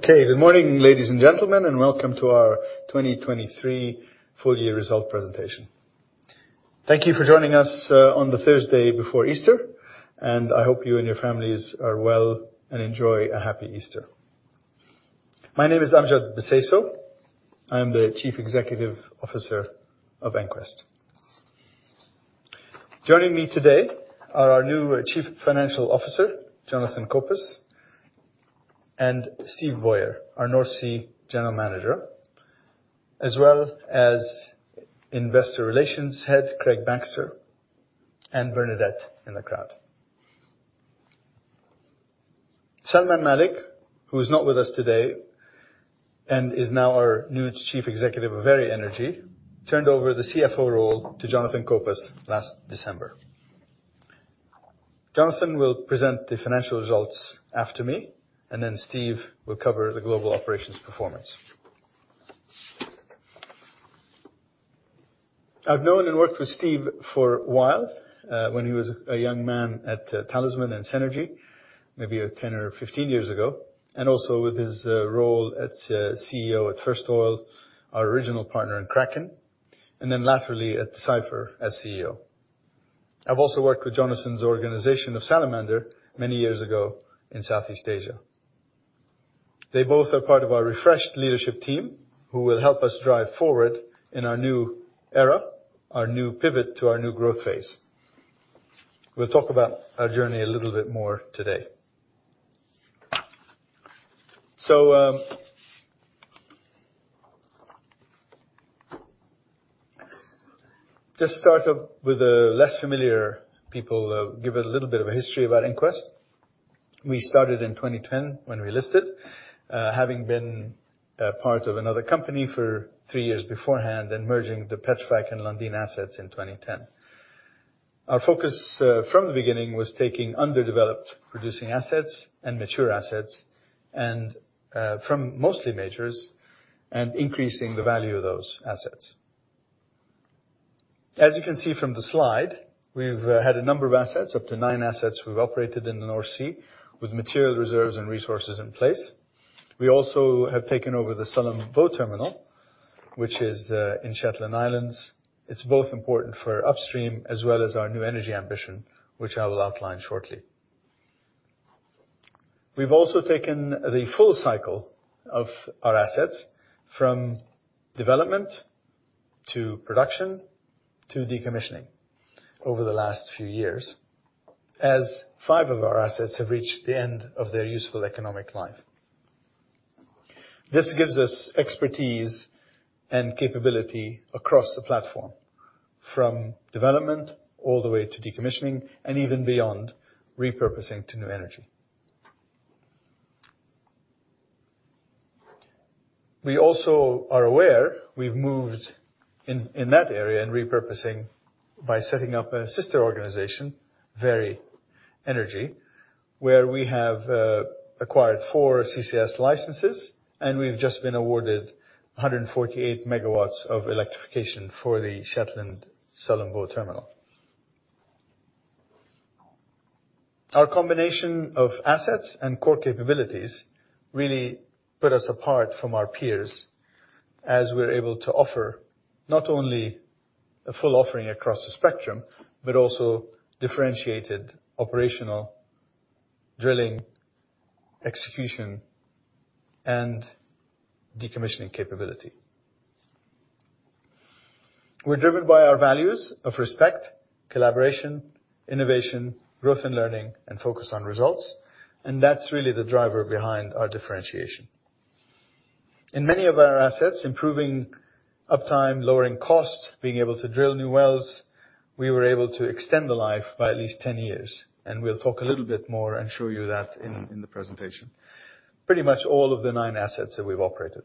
Okay, good morning ladies and gentlemen, and welcome to our 2023 full-year result presentation. Thank you for joining us on the Thursday before Easter, and I hope you and your families are well and enjoy a happy Easter. My name is Amjad Bseisu. I am the Chief Executive Officer of EnQuest. Joining me today are our new Chief Financial Officer, Jonathan Copus, and Steve Bowyer, our North Sea General Manager, as well as Investor Relations Head, Craig Baxter, and Bernadette in the crowd. Salman Malik, who is not with us today and is now our new Chief Executive of Veri Energy, turned over the CFO role to Jonathan Copus last December. Jonathan will present the financial results after me, and then Steve will cover the global operations performance. I've known and worked with Steve for a while when he was a young man at Talisman and Senergy, maybe 10 or 15 years ago, and also with his role as CEO at First Oil, our original partner in Kraken, and then laterally at Decipher as CEO. I've also worked with Salman organization of Salamander many years ago in Southeast Asia. They both are part of our refreshed leadership team who will help us drive forward in our new era, our new pivot to our new growth phase. We'll talk about our journey a little bit more today. So, just start up with the less familiar people, give a little bit of a history about EnQuest. We started in 2010 when we listed, having been part of another company for three years beforehand and merging the Petrofac and Lundin Assets in 2010. Our focus from the beginning was taking underdeveloped producing assets and mature assets, and from mostly majors, and increasing the value of those assets. As you can see from the slide, we've had a number of assets, up to nine assets we've operated in the North Sea with material reserves and resources in place. We also have taken over the Sullom Voe Terminal, which is in Shetland Islands. It's both important for upstream as well as our new energy ambition, which I will outline shortly. We've also taken the full cycle of our assets from development to production to decommissioning over the last few years, as five of our assets have reached the end of their useful economic life. This gives us expertise and capability across the platform, from development all the way to decommissioning and even beyond, repurposing to new energy. We also are aware we've moved in that area in repurposing by setting up a sister organization, Veri Energy, where we have acquired Four CCS licenses, and we've just been awarded 148 MW of electrification for the Shetland Sullom Voe Terminal. Our combination of assets and core capabilities really put us apart from our peers as we're able to offer not only a full offering across the spectrum but also differentiated operational drilling, execution, and decommissioning capability. We're driven by our values of respect, collaboration, innovation, growth and learning, and focus on results, and that's really the driver behind our differentiation. In many of our assets, improving uptime, lowering costs, being able to drill new wells, we were able to extend the life by at least 10 years, and we'll talk a little bit more and show you that in the presentation. Pretty much all of the nine assets that we've operated.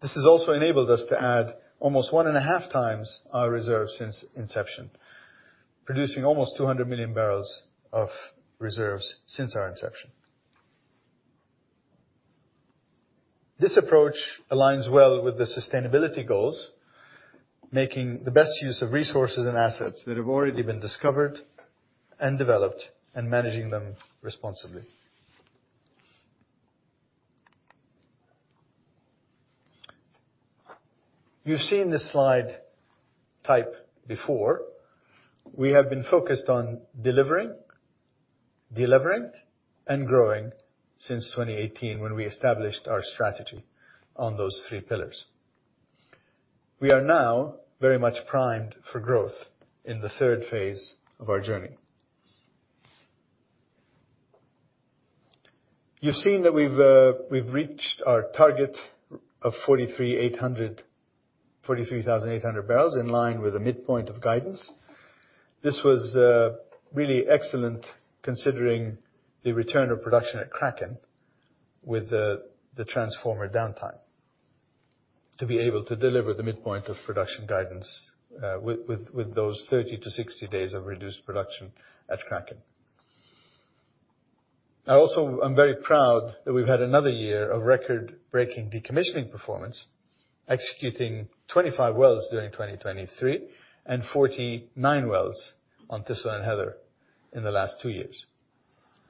This has also enabled us to add almost 1.5 times our reserves since inception, producing almost 200 million barrels of reserves since our inception. This approach aligns well with the sustainability goals, making the best use of resources and assets that have already been discovered and developed and managing them responsibly. You've seen this slide type before. We have been focused on delivering, delivering, and growing since 2018 when we established our strategy on those three pillars. We are now very much primed for growth in the third phase of our journey. You've seen that we've reached our target of 43,800 barrels in line with the midpoint of guidance. This was really excellent considering the return of production at Kraken with the transformer downtime, to be able to deliver the midpoint of production guidance with those 30-60 days of reduced production at Kraken. I also am very proud that we've had another year of record-breaking decommissioning performance, executing 25 wells during 2023 and 49 wells on Thistle and Heather in the last two years.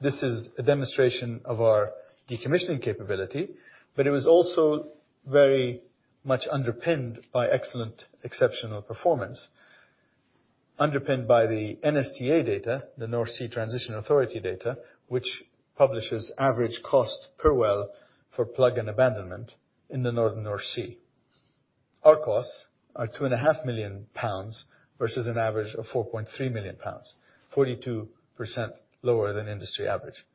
This is a demonstration of our decommissioning capability, but it was also very much underpinned by excellent exceptional performance, underpinned by the NSTA data, the North Sea Transition Authority data, which publishes average cost per well for plug and abandonment in the northern North Sea. Our costs are 2.5 million pounds versus an average of 4.3 million pounds, 42% lower than industry average.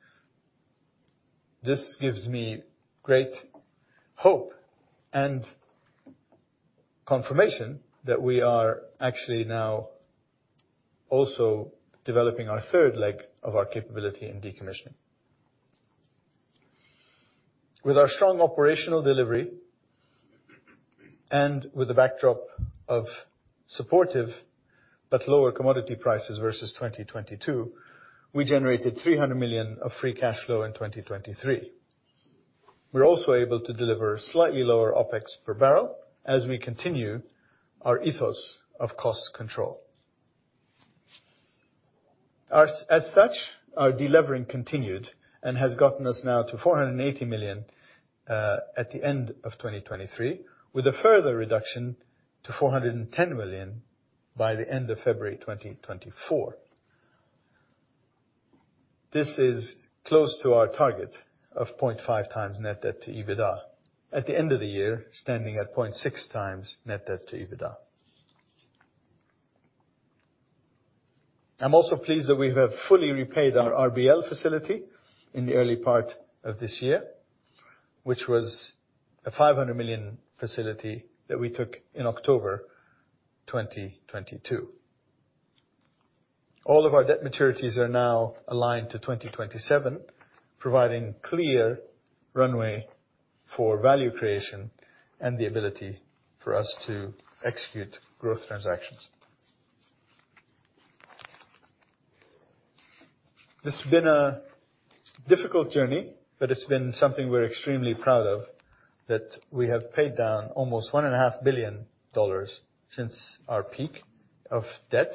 This gives me great hope and confirmation that we are actually now also developing our third leg of our capability in decommissioning. With our strong operational delivery and with the backdrop of supportive but lower commodity prices versus 2022, we generated $300 million of free cash flow in 2023. We're also able to deliver slightly lower OPEX per barrel as we continue our ethos of cost control. As such, our delivering continued and has gotten us now to $480 million at the end of 2023, with a further reduction to $410 million by the end of February 2024. This is close to our target of 0.5x net debt to EBITDA, at the end of the year standing at 0.6x net debt to EBITDA. I'm also pleased that we have fully repaid our RBL facility in the early part of this year, which was a $500 million facility that we took in October 2022. All of our debt maturities are now aligned to 2027, providing clear runway for value creation and the ability for us to execute growth transactions. This has been a difficult journey, but it's been something we're extremely proud of, that we have paid down almost $1.5 billion since our peak of debt,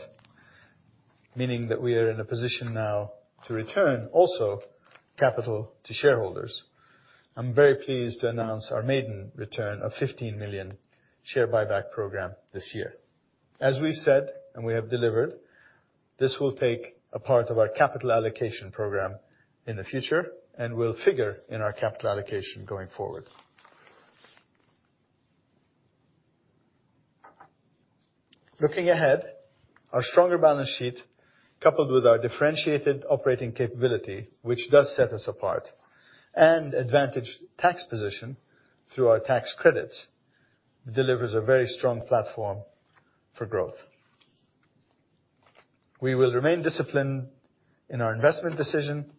meaning that we are in a position now to return also capital to shareholders. I'm very pleased to announce our maiden return of $15 million share buyback program this year. As we've said and we have delivered, this will take a part of our capital allocation program in the future and will figure in our capital allocation going forward. Looking ahead, our stronger balance sheet, coupled with our differentiated operating capability, which does set us apart, and advantaged tax position through our tax credits, delivers a very strong platform for growth. We will remain disciplined in our investment decision,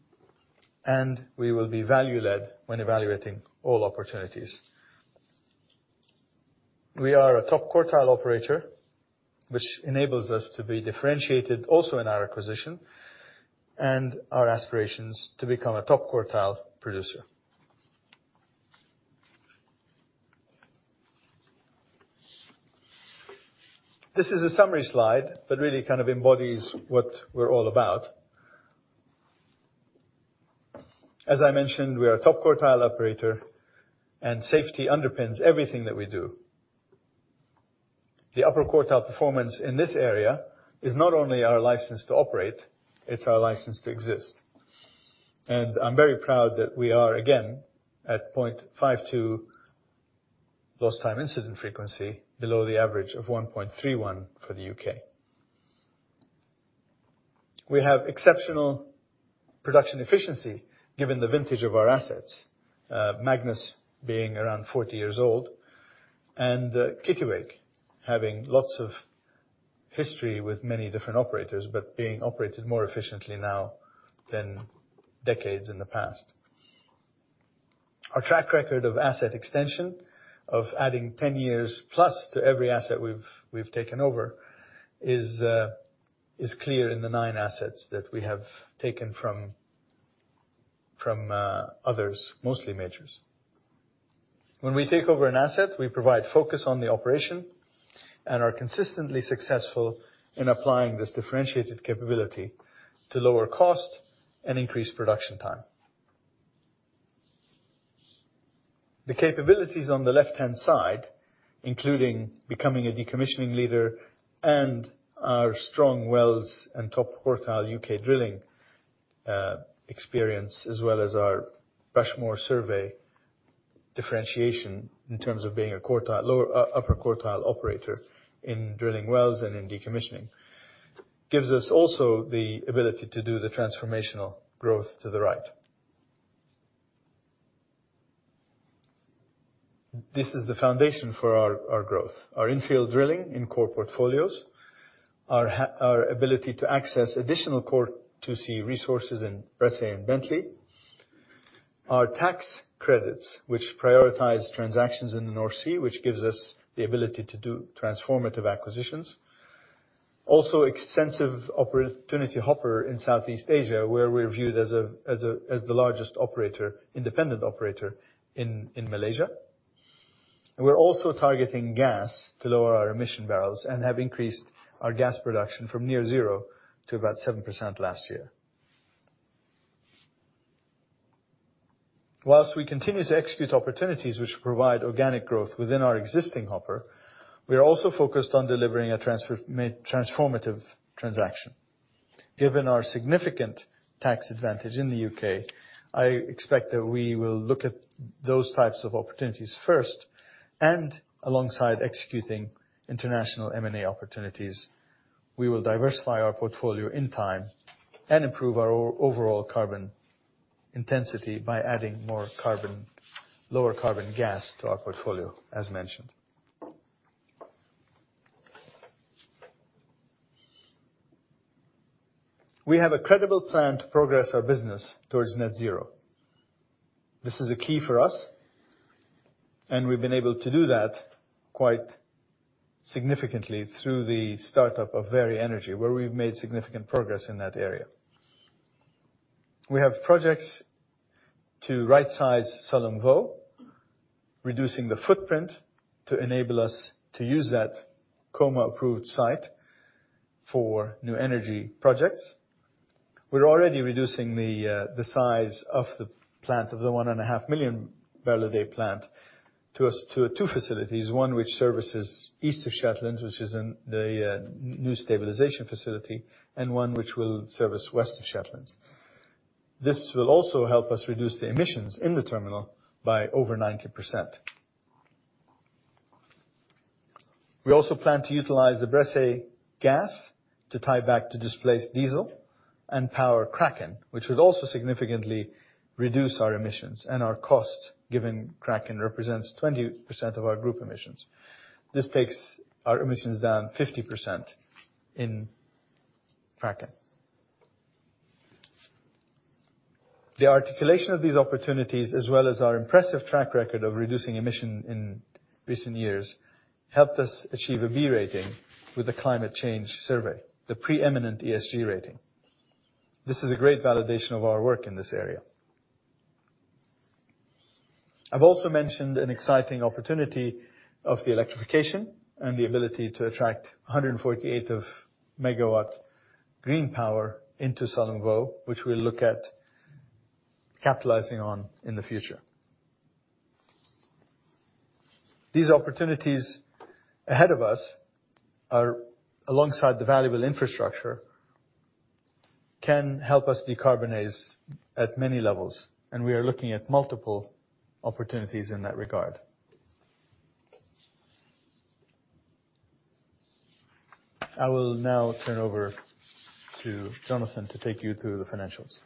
and we will be value-led when evaluating all opportunities. We are a top quartile operator, which enables us to be differentiated also in our acquisition and our aspirations to become a top quartile producer. This is a summary slide, but really kind of embodies what we're all about. As I mentioned, we are a top quartile operator, and safety underpins everything that we do. The upper quartile performance in this area is not only our license to operate, it's our license to exist. And I'm very proud that we are, again, at 0.52 lost time incident frequency below the average of 1.31 for the UK. We have exceptional production efficiency given the vintage of our assets, Magnus being around 40 years old and Kittiwake having lots of history with many different operators, but being operated more efficiently now than decades in the past. Our track record of asset extension, of adding 10 years plus to every asset we've taken over, is clear in the nine assets that we have taken from others, mostly majors. When we take over an asset, we provide focus on the operation and are consistently successful in applying this differentiated capability to lower cost and increased production time. The capabilities on the left-hand side, including becoming a decommissioning leader and our strong wells and top quartile UK drilling experience, as well as our Rushmore survey differentiation in terms of being an upper quartile operator in drilling wells and in decommissioning, gives us also the ability to do the transformational growth to the right. This is the foundation for our growth: our infield drilling in core portfolios, our ability to access additional Core 2C resources in Bressay and Bentley, our tax credits, which prioritize transactions in the North Sea, which gives us the ability to do transformative acquisitions, also extensive Opportunity Hopper in Southeast Asia, where we're viewed as the largest operator, independent operator in Malaysia. We're also targeting gas to lower our emission barrels and have increased our gas production from near zero to about 7% last year. While we continue to execute opportunities which provide organic growth within our existing hopper, we are also focused on delivering a transformative transaction. Given our significant tax advantage in the UK, I expect that we will look at those types of opportunities first, and alongside executing international M&A opportunities, we will diversify our portfolio in time and improve our overall carbon intensity by adding more carbon, lower carbon gas to our portfolio, as mentioned. We have a credible plan to progress our business towards net zero. This is a key for us, and we've been able to do that quite significantly through the startup of Veri Energy, where we've made significant progress in that area. We have projects to right-size Sullom Voe, reducing the footprint to enable us to use that COMAH-approved site for new energy projects. We're already reducing the size of the plant of the 1.5 million barrel a day plant to two facilities: one which services east of Shetland, which is the new stabilization facility, and one which will service west of Shetland. This will also help us reduce the emissions in the terminal by over 90%. We also plan to utilize the Bressay gas to tie back to displaced diesel and power Kraken, which would also significantly reduce our emissions and our costs, given Kraken represents 20% of our group emissions. This takes our emissions down 50% in Kraken. The articulation of these opportunities, as well as our impressive track record of reducing emissions in recent years, helped us achieve a B rating with the Climate Change Survey, the preeminent ESG rating. This is a great validation of our work in this area. I've also mentioned an exciting opportunity of the electrification and the ability to attract 148 MW of green power into Sullom Voe Terminal, which we'll look at capitalizing on in the future. These opportunities ahead of us, alongside the valuable infrastructure, can help us decarbonize at many levels, and we are looking at multiple opportunities in that regard. I will now turn over to Jonathan to take you through the financials.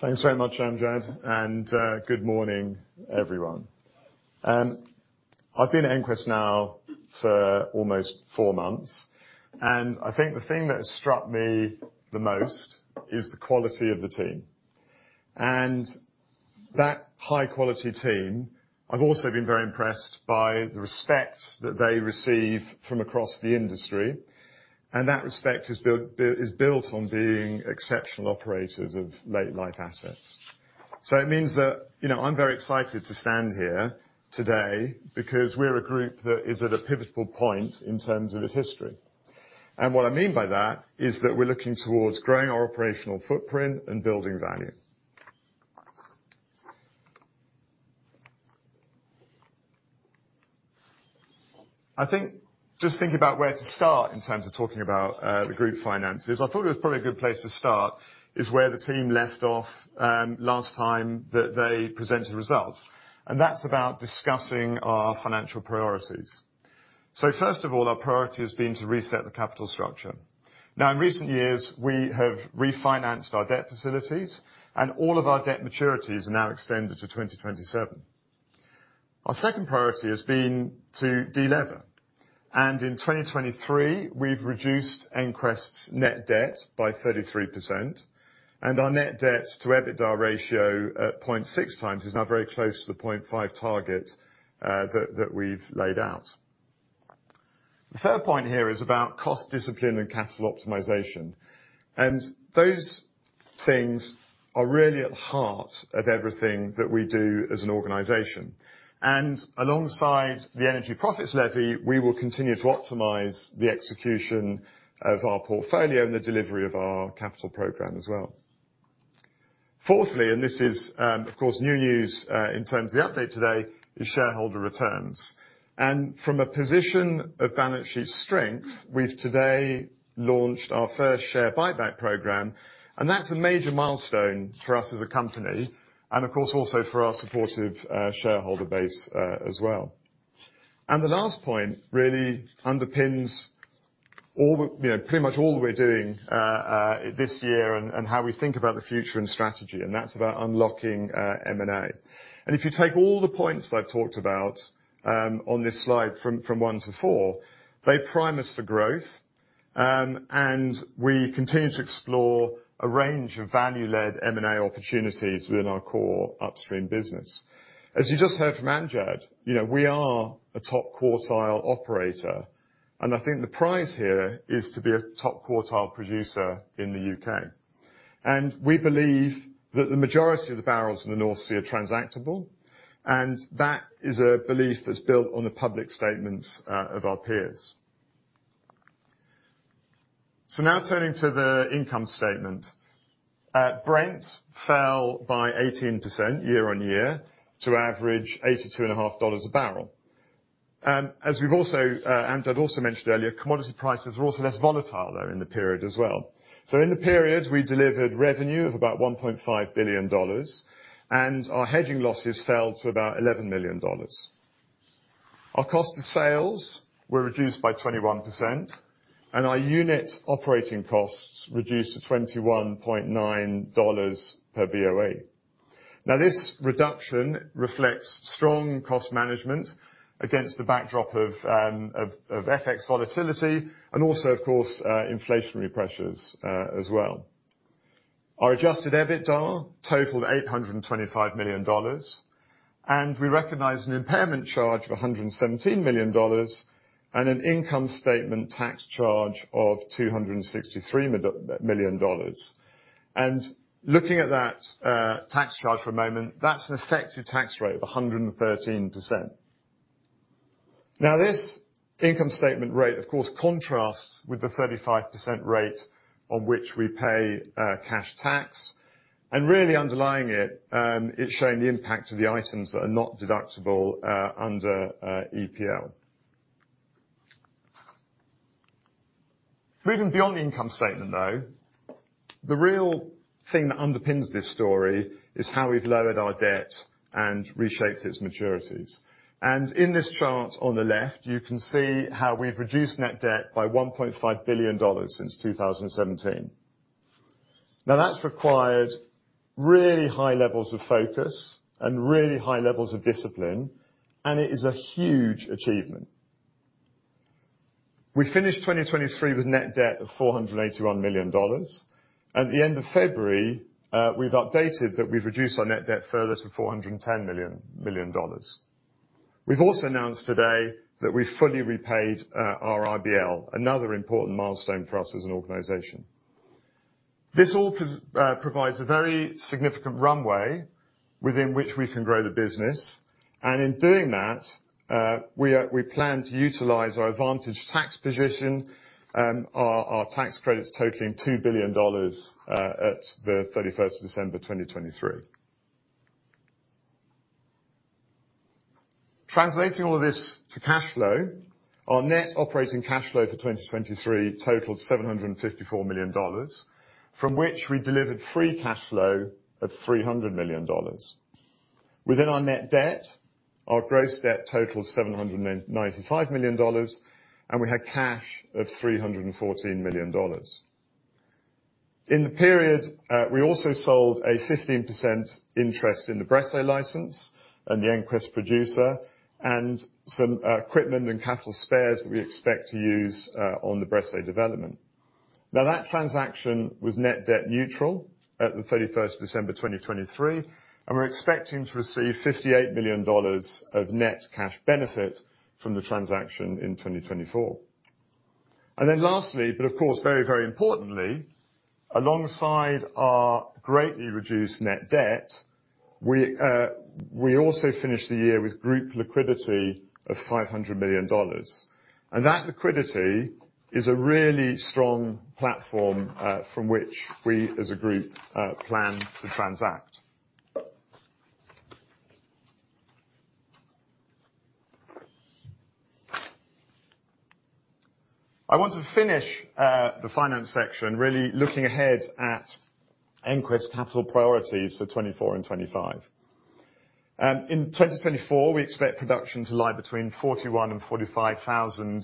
Thanks very much, Amjad, and good morning, everyone. I've been at EnQuest now for almost four months, and I think the thing that has struck me the most is the quality of the team. And that high-quality team, I've also been very impressed by the respect that they receive from across the industry, and that respect is built on being exceptional operators of late-life assets. So it means that I'm very excited to stand here today because we're a group that is at a pivotal point in terms of its history. What I mean by that is that we're looking toward growing our operational footprint and building value. I think just thinking about where to start in terms of talking about the group finances, I thought it was probably a good place to start is where the team left off last time that they presented results. That's about discussing our financial priorities. First of all, our priority has been to reset the capital structure. Now, in recent years, we have refinanced our debt facilities, and all of our debt maturities are now extended to 2027. Our second priority has been to de-lever. In 2023, we've reduced EnQuest's net debt by 33%, and our net debt-to-EBITDA ratio at 0.6 times is now very close to the 0.5 target that we've laid out. The third point here is about cost discipline and capital optimization. Those things are really at the heart of everything that we do as an organization. Alongside the Energy Profits Levy, we will continue to optimize the execution of our portfolio and the delivery of our capital program as well. Fourthly, and this is, of course, new news in terms of the update today, is shareholder returns. From a position of balance sheet strength, we've today launched our first share buyback program, and that's a major milestone for us as a company and, of course, also for our supportive shareholder base as well. The last point really underpins pretty much all that we're doing this year and how we think about the future and strategy, and that's about unlocking M&A. If you take all the points that I've talked about on this slide, from one to four, they prime us for growth, and we continue to explore a range of value-led M&A opportunities within our core upstream business. As you just heard from Amjad, we are a top quartile operator, and I think the prize here is to be a top quartile producer in the UK. We believe that the majority of the barrels in the North Sea are transactable, and that is a belief that's built on the public statements of our peers. Now turning to the income statement, Brent fell by 18% year-on-year to average $82.5 a barrel. As we've also Amjad also mentioned earlier, commodity prices were also less volatile, though, in the period as well. So in the period, we delivered revenue of about $1.5 billion, and our hedging losses fell to about $11 million. Our cost of sales were reduced by 21%, and our unit operating costs reduced to $21.9 per BOE. Now, this reduction reflects strong cost management against the backdrop of FX volatility and also, of course, inflationary pressures as well. Our adjusted EBITDA totaled $825 million, and we recognized an impairment charge of $117 million and an income statement tax charge of $263 million. Looking at that tax charge for a moment, that's an effective tax rate of 113%. Now, this income statement rate, of course, contrasts with the 35% rate on which we pay cash tax, and really underlying it, it's showing the impact of the items that are not deductible under EPL. Moving beyond the income statement, though, the real thing that underpins this story is how we've lowered our debt and reshaped its maturities. In this chart on the left, you can see how we've reduced net debt by $1.5 billion since 2017. Now, that's required really high levels of focus and really high levels of discipline, and it is a huge achievement. We finished 2023 with net debt of $481 million, and at the end of February, we've updated that we've reduced our net debt further to $410 million. We've also announced today that we've fully repaid our RBL, another important milestone for us as an organization. This all provides a very significant runway within which we can grow the business, and in doing that, we plan to utilize our advantage tax position, our tax credits totaling $2 billion at the thirty-first of December 2023. Translating all of this to cash flow, our net operating cash flow for 2023 totaled $754 million, from which we delivered free cash flow of $300 million. Within our net debt, our gross debt totaled $795 million, and we had cash of $314 million. In the period, we also sold a 15% interest in the Bressay license and the EnQuest Producer, and some equipment and capital spares that we expect to use on the Bressay development. Now, that transaction was net debt neutral at the 31st of December 2023, and we're expecting to receive $58 million of net cash benefit from the transaction in 2024. And then lastly, but of course very, very importantly, alongside our greatly reduced net debt, we also finished the year with group liquidity of $500 million. And that liquidity is a really strong platform from which we, as a group, plan to transact. I want to finish the finance section really looking ahead at EnQuest capital priorities for 2024 and 2025. In 2024, we expect production to lie between 41,000-45,000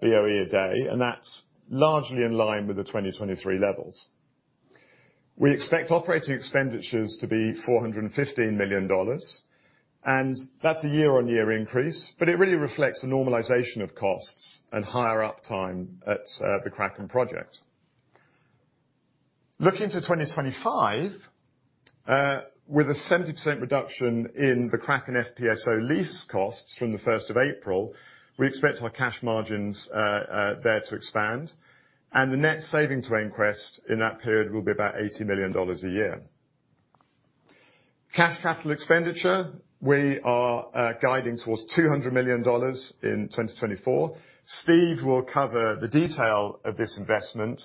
BOE a day, and that's largely in line with the 2023 levels. We expect operating expenditures to be $415 million, and that's a year-on-year increase, but it really reflects a normalization of costs and higher uptime at the Kraken project. Looking to 2025, with a 70% reduction in the Kraken FPSO lease costs from April 1, we expect our cash margins there to expand, and the net saving to EnQuest in that period will be about $80 million a year. Cash capital expenditure, we are guiding towards $200 million in 2024. Steve will cover the detail of this investment,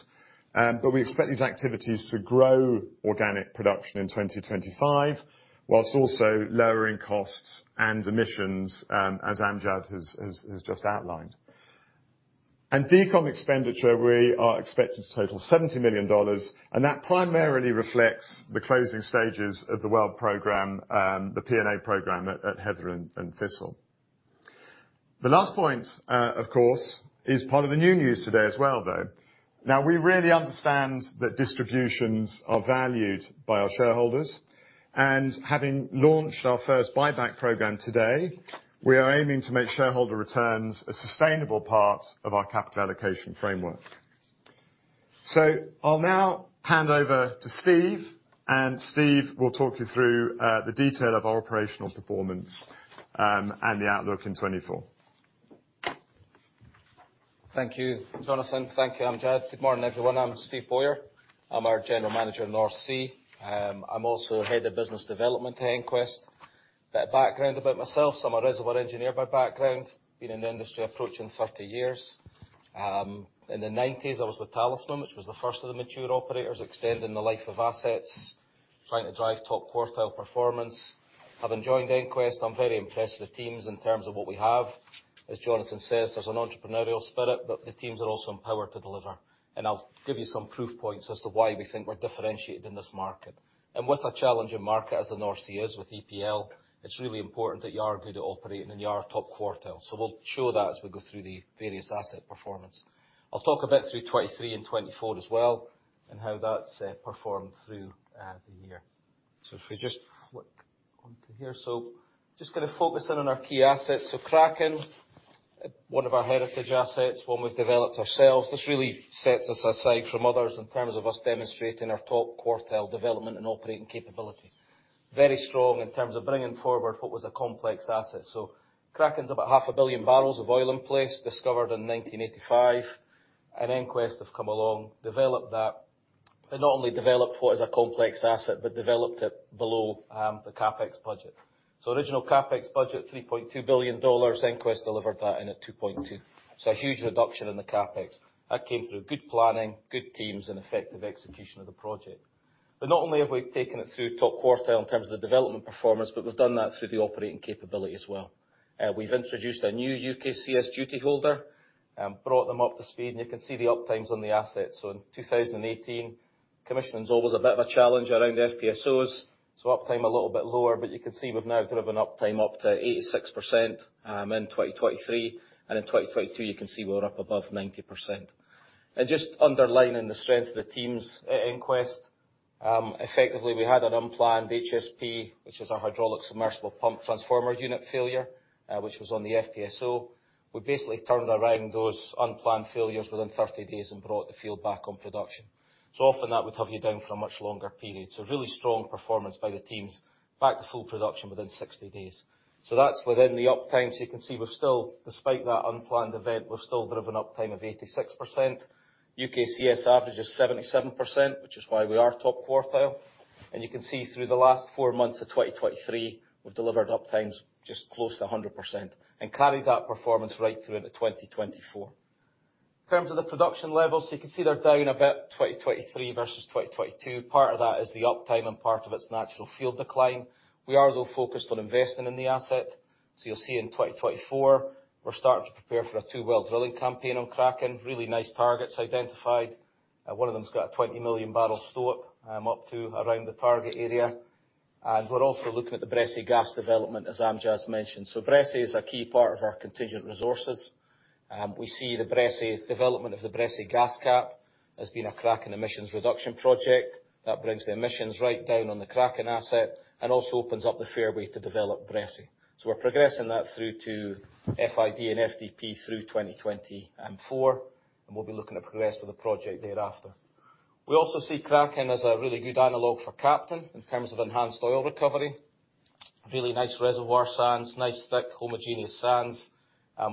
but we expect these activities to grow organic production in 2025 whilst also lowering costs and emissions, as Amjad has just outlined. Decom expenditure, we are expecting to total $70 million, and that primarily reflects the closing stages of the P&A program, the P&A program at Heather and Thistle. The last point, of course, is part of the new news today as well, though. Now, we really understand that distributions are valued by our shareholders, and having launched our first buyback program today, we are aiming to make shareholder returns a sustainable part of our capital allocation framework. So I'll now hand over to Steve, and Steve will talk you through the detail of our operational performance and the outlook in 2024. Thank you, Jonathan. Thank you, Amjad. Good morning, everyone. I'm Steve Bowyer. I'm our General Manager at North Sea. I'm also Head of Business Development at EnQuest. A bit of background about myself: I'm a reservoir engineer by background, been in the industry approaching 30 years. In the 1990s, I was with Talisman, which was the first of the mature operators extending the life of assets, trying to drive top quartile performance. Having joined EnQuest, I'm very impressed with the teams in terms of what we have. As Jonathan says, there's an entrepreneurial spirit, but the teams are also empowered to deliver. I'll give you some proof points as to why we think we're differentiated in this market. With a challenging market as the North Sea is with EPL, it's really important that you are good at operating and you are top quartile, so we'll show that as we go through the various asset performance. I'll talk a bit through 2023 and 2024 as well and how that's performed through the year. If we just flip onto here. Just going to focus in on our key assets. So Kraken, one of our heritage assets, one we've developed ourselves. This really sets us aside from others in terms of us demonstrating our top quartile development and operating capability. Very strong in terms of bringing forward what was a complex asset. So Kraken's about 500 million barrels of oil in place, discovered in 1985, and EnQuest have come along, developed that, but not only developed what is a complex asset but developed it below the CapEx budget. So original CapEx budget, $3.2 billion, EnQuest delivered that in at $2.2 billion. So a huge reduction in the CapEx. That came through good planning, good teams, and effective execution of the project. But not only have we taken it through top quartile in terms of the development performance, but we've done that through the operating capability as well. We've introduced a new UKCS duty holder, brought them up to speed, and you can see the uptimes on the assets. So in 2018, commissioning's always a bit of a challenge around FPSOs, so uptime a little bit lower, but you can see we've now driven uptime up to 86% in 2023, and in 2022, you can see we're up above 90%. And just underlining the strength of the teams at EnQuest, effectively we had an unplanned HSP, which is our hydraulic submersible pump transformer unit failure, which was on the FPSO. We basically turned around those unplanned failures within 30 days and brought the field back on production. So often that would have you down for a much longer period. So really strong performance by the teams, back to full production within 60 days. So that's within the uptime. So you can see we've still, despite that unplanned event, we've still driven uptime of 86%. UKCS averages 77%, which is why we are top quartile. And you can see through the last four months of 2023, we've delivered uptimes just close to 100% and carried that performance right through into 2024. In terms of the production levels, so you can see they're down a bit 2023 versus 2022. Part of that is the uptime and part of its natural field decline. We are, though, focused on investing in the asset. So you'll see in 2024, we're starting to prepare for a two-well drilling campaign on Kraken. Really nice targets identified. One of them's got a 20 million barrel STOIIP up to around the target area. And we're also looking at the Bressay gas development, as Amjad's mentioned. So Bressay is a key part of our contingent resources. We see the development of the Bressay gas cap has been a Kraken emissions reduction project that brings the emissions right down on the Kraken asset and also opens up the fairway to develop Bressay. So we're progressing that through to FID and FDP through 2024, and we'll be looking to progress with the project thereafter. We also see Kraken as a really good analogue for Captain in terms of enhanced oil recovery. Really nice reservoir sands, nice thick, homogeneous sands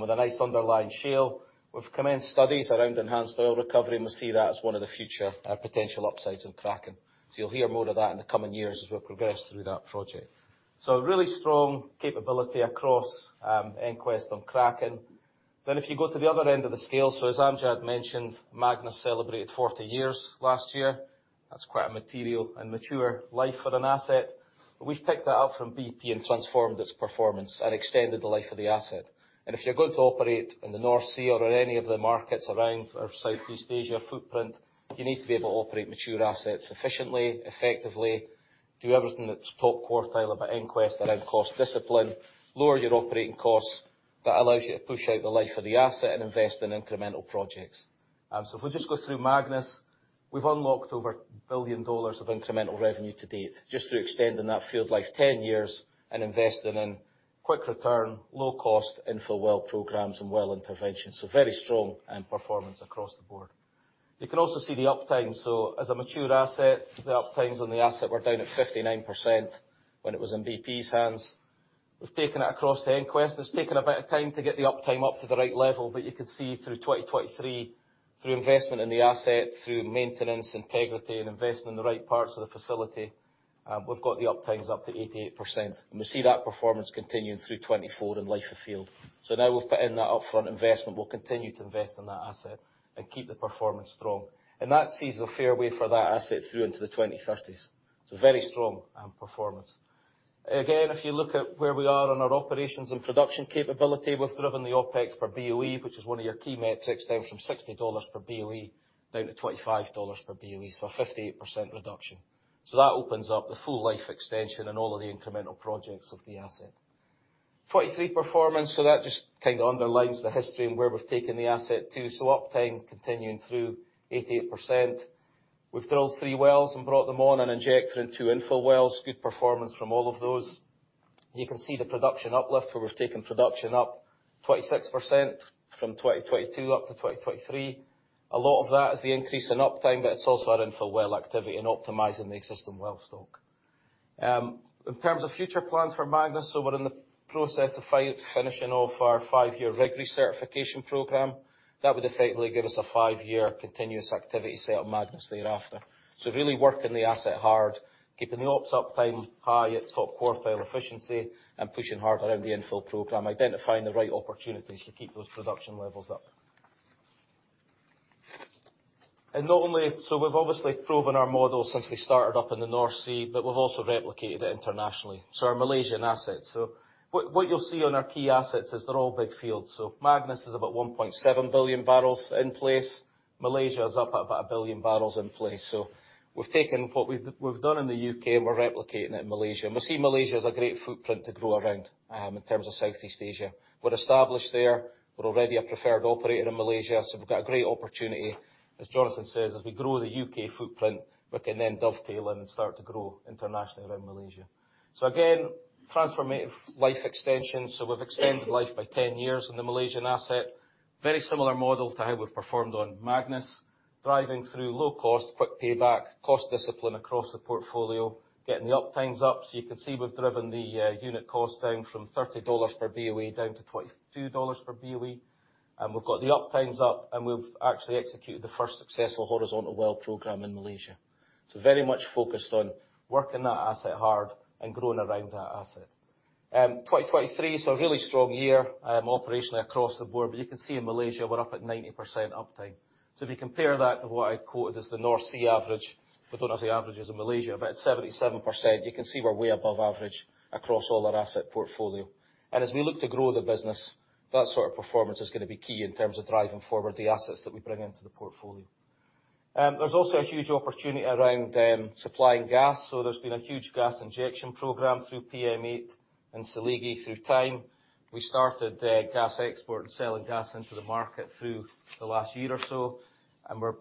with a nice underlying shale. We've commenced studies around enhanced oil recovery, and we see that as one of the future potential upsides in Kraken. So you'll hear more of that in the coming years as we progress through that project. So really strong capability across EnQuest on Kraken. Then if you go to the other end of the scale, so as Amjad mentioned, Magnus celebrated 40 years last year. That's quite a material and mature life for an asset. But we've picked that up from BP and transformed its performance and extended the life of the asset. And if you're going to operate in the North Sea or in any of the markets around our Southeast Asia footprint, you need to be able to operate mature assets efficiently, effectively, do everything that's top quartile about EnQuest around cost discipline, lower your operating costs that allows you to push out the life of the asset and invest in incremental projects. So if we just go through Magnus, we've unlocked over $1 billion of incremental revenue to date just through extending that field life 10 years and investing in quick return, low-cost, infill well programs and well interventions. Very strong performance across the board. You can also see the uptime. As a mature asset, the uptimes on the asset were down at 59% when it was in BP's hands. We've taken it across to EnQuest. It's taken a bit of time to get the uptime up to the right level, but you can see through 2023, through investment in the asset, through maintenance, integrity, and investing in the right parts of the facility, we've got the uptimes up to 88%. We see that performance continuing through 2024 in life of field. Now we've put in that upfront investment. We'll continue to invest in that asset and keep the performance strong. That sees the fairway for that asset through into the 2030s. Very strong performance. Again, if you look at where we are on our operations and production capability, we've driven the OPEX per BOE, which is one of your key metrics, down from $60 per BOE down to $25 per BOE. So a 58% reduction. So that opens up the full life extension and all of the incremental projects of the asset. 2023 performance, so that just kind of underlines the history and where we've taken the asset to. So uptime continuing through 88%. We've drilled 3 wells and brought them on and injected in two infill wells. Good performance from all of those. You can see the production uplift where we've taken production up 26% from 2022 up to 2023. A lot of that is the increase in uptime, but it's also our infill well activity and optimizing the existing well stock. In terms of future plans for Magnus, so we're in the process of finishing off our five-year rig recertification program. That would effectively give us a five-year continuous activity set of Magnus thereafter. So really working the asset hard, keeping the ops uptime high at top quartile efficiency, and pushing hard around the infill program, identifying the right opportunities to keep those production levels up. And not only so we've obviously proven our model since we started up in the North Sea, but we've also replicated it internationally. So our Malaysian assets. So what you'll see on our key assets is they're all big fields. So Magnus is about 1.7 billion barrels in place. Malaysia is up at about 1 billion barrels in place. So we've taken what we've done in the U.K., and we're replicating it in Malaysia. We see Malaysia as a great footprint to grow around in terms of Southeast Asia. We're established there. We're already a preferred operator in Malaysia, so we've got a great opportunity, as Jonathan says, as we grow the UK footprint, we can then dovetail in and start to grow internationally around Malaysia. So again, transformative life extension. So we've extended life by 10 years on the Malaysian asset. Very similar model to how we've performed on Magnus. Driving through low cost, quick payback, cost discipline across the portfolio, getting the uptimes up. So you can see we've driven the unit cost down from $30 per BOE down to $22 per BOE. We've got the uptimes up, and we've actually executed the first successful horizontal well program in Malaysia. So very much focused on working that asset hard and growing around that asset. 2023, so a really strong year operationally across the board, but you can see in Malaysia we're up at 90% uptime. So if you compare that to what I quoted as the North Sea average, we don't have the averages of Malaysia, but at 77%, you can see we're way above average across all our asset portfolio. And as we look to grow the business, that sort of performance is going to be key in terms of driving forward the assets that we bring into the portfolio. There's also a huge opportunity around supplying gas. So there's been a huge gas injection program through PM8 and Seligi through time. We started gas export and selling gas into the market through the last year or so, and we're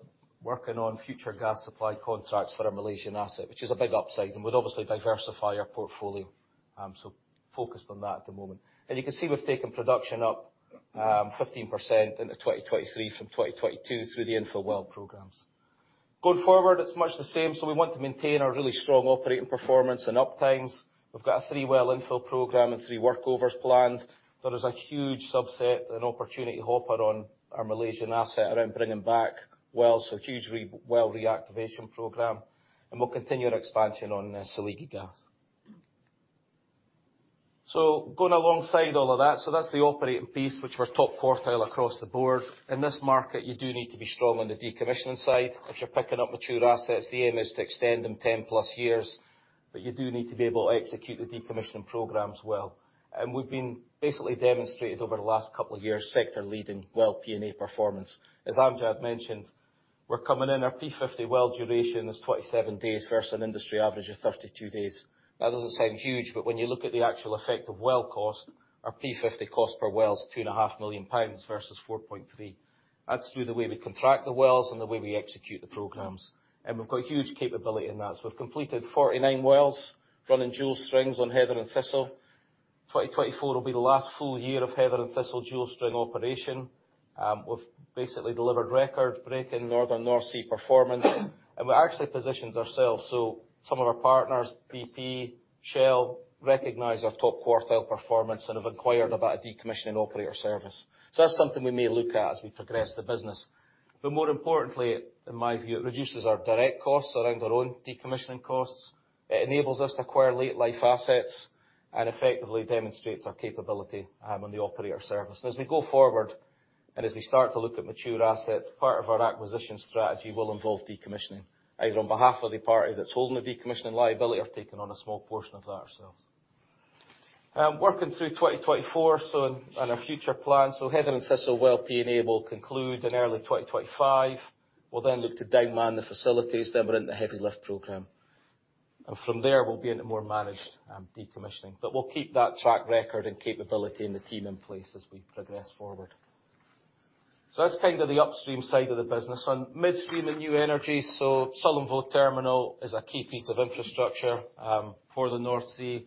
working on future gas supply contracts for our Malaysian asset, which is a big upside, and we'd obviously diversify our portfolio. So focused on that at the moment. You can see we've taken production up 15% into 2023 from 2022 through the infill well programs. Going forward, it's much the same. So we want to maintain our really strong operating performance and uptimes. We've got a three well infill program and three workovers planned. There is a huge subset, an opportunity hopper on our Malaysian asset around bringing back wells. So huge well reactivation program, and we'll continue our expansion on Seligi gas. So going alongside all of that, so that's the operating piece, which were top quartile across the board. In this market, you do need to be strong on the decommissioning side. If you're picking up mature assets, the aim is to extend them 10+ years, but you do need to be able to execute the decommissioning program as well. And we've been basically demonstrated over the last couple of years sector-leading well P&A performance. As Amjad mentioned, we're coming in. Our P50 well duration is 27 days versus an industry average of 32 days. That doesn't sound huge, but when you look at the actual effect of well cost, our P50 cost per well is 2.5 million pounds versus 4.3 million. That's through the way we contract the wells and the way we execute the programs. And we've got huge capability in that. So we've completed 49 wells running dual strings on Heather and Thistle. 2024 will be the last full year of Heather and Thistle dual string operation. We've basically delivered record-breaking northern North Sea performance, and we actually positioned ourselves. So some of our partners, BP, Shell, recognize our top quartile performance and have inquired about a decommissioning operator service. So that's something we may look at as we progress the business. But more importantly, in my view, it reduces our direct costs around our own decommissioning costs. It enables us to acquire late-life assets and effectively demonstrates our capability on the operator service. And as we go forward and as we start to look at mature assets, part of our acquisition strategy will involve decommissioning, either on behalf of the party that's holding the decommissioning liability or taking on a small portion of that ourselves. Working through 2024, so in our future plans, so Heather and Thistle well P&A will conclude in early 2025. We'll then look to downman the facilities, then we're into the heavy lift program. And from there, we'll be into more managed decommissioning. But we'll keep that track record and capability and the team in place as we progress forward. So that's kind of the upstream side of the business. On midstream and new energies, so Sullom Voe Terminal is a key piece of infrastructure for the North Sea.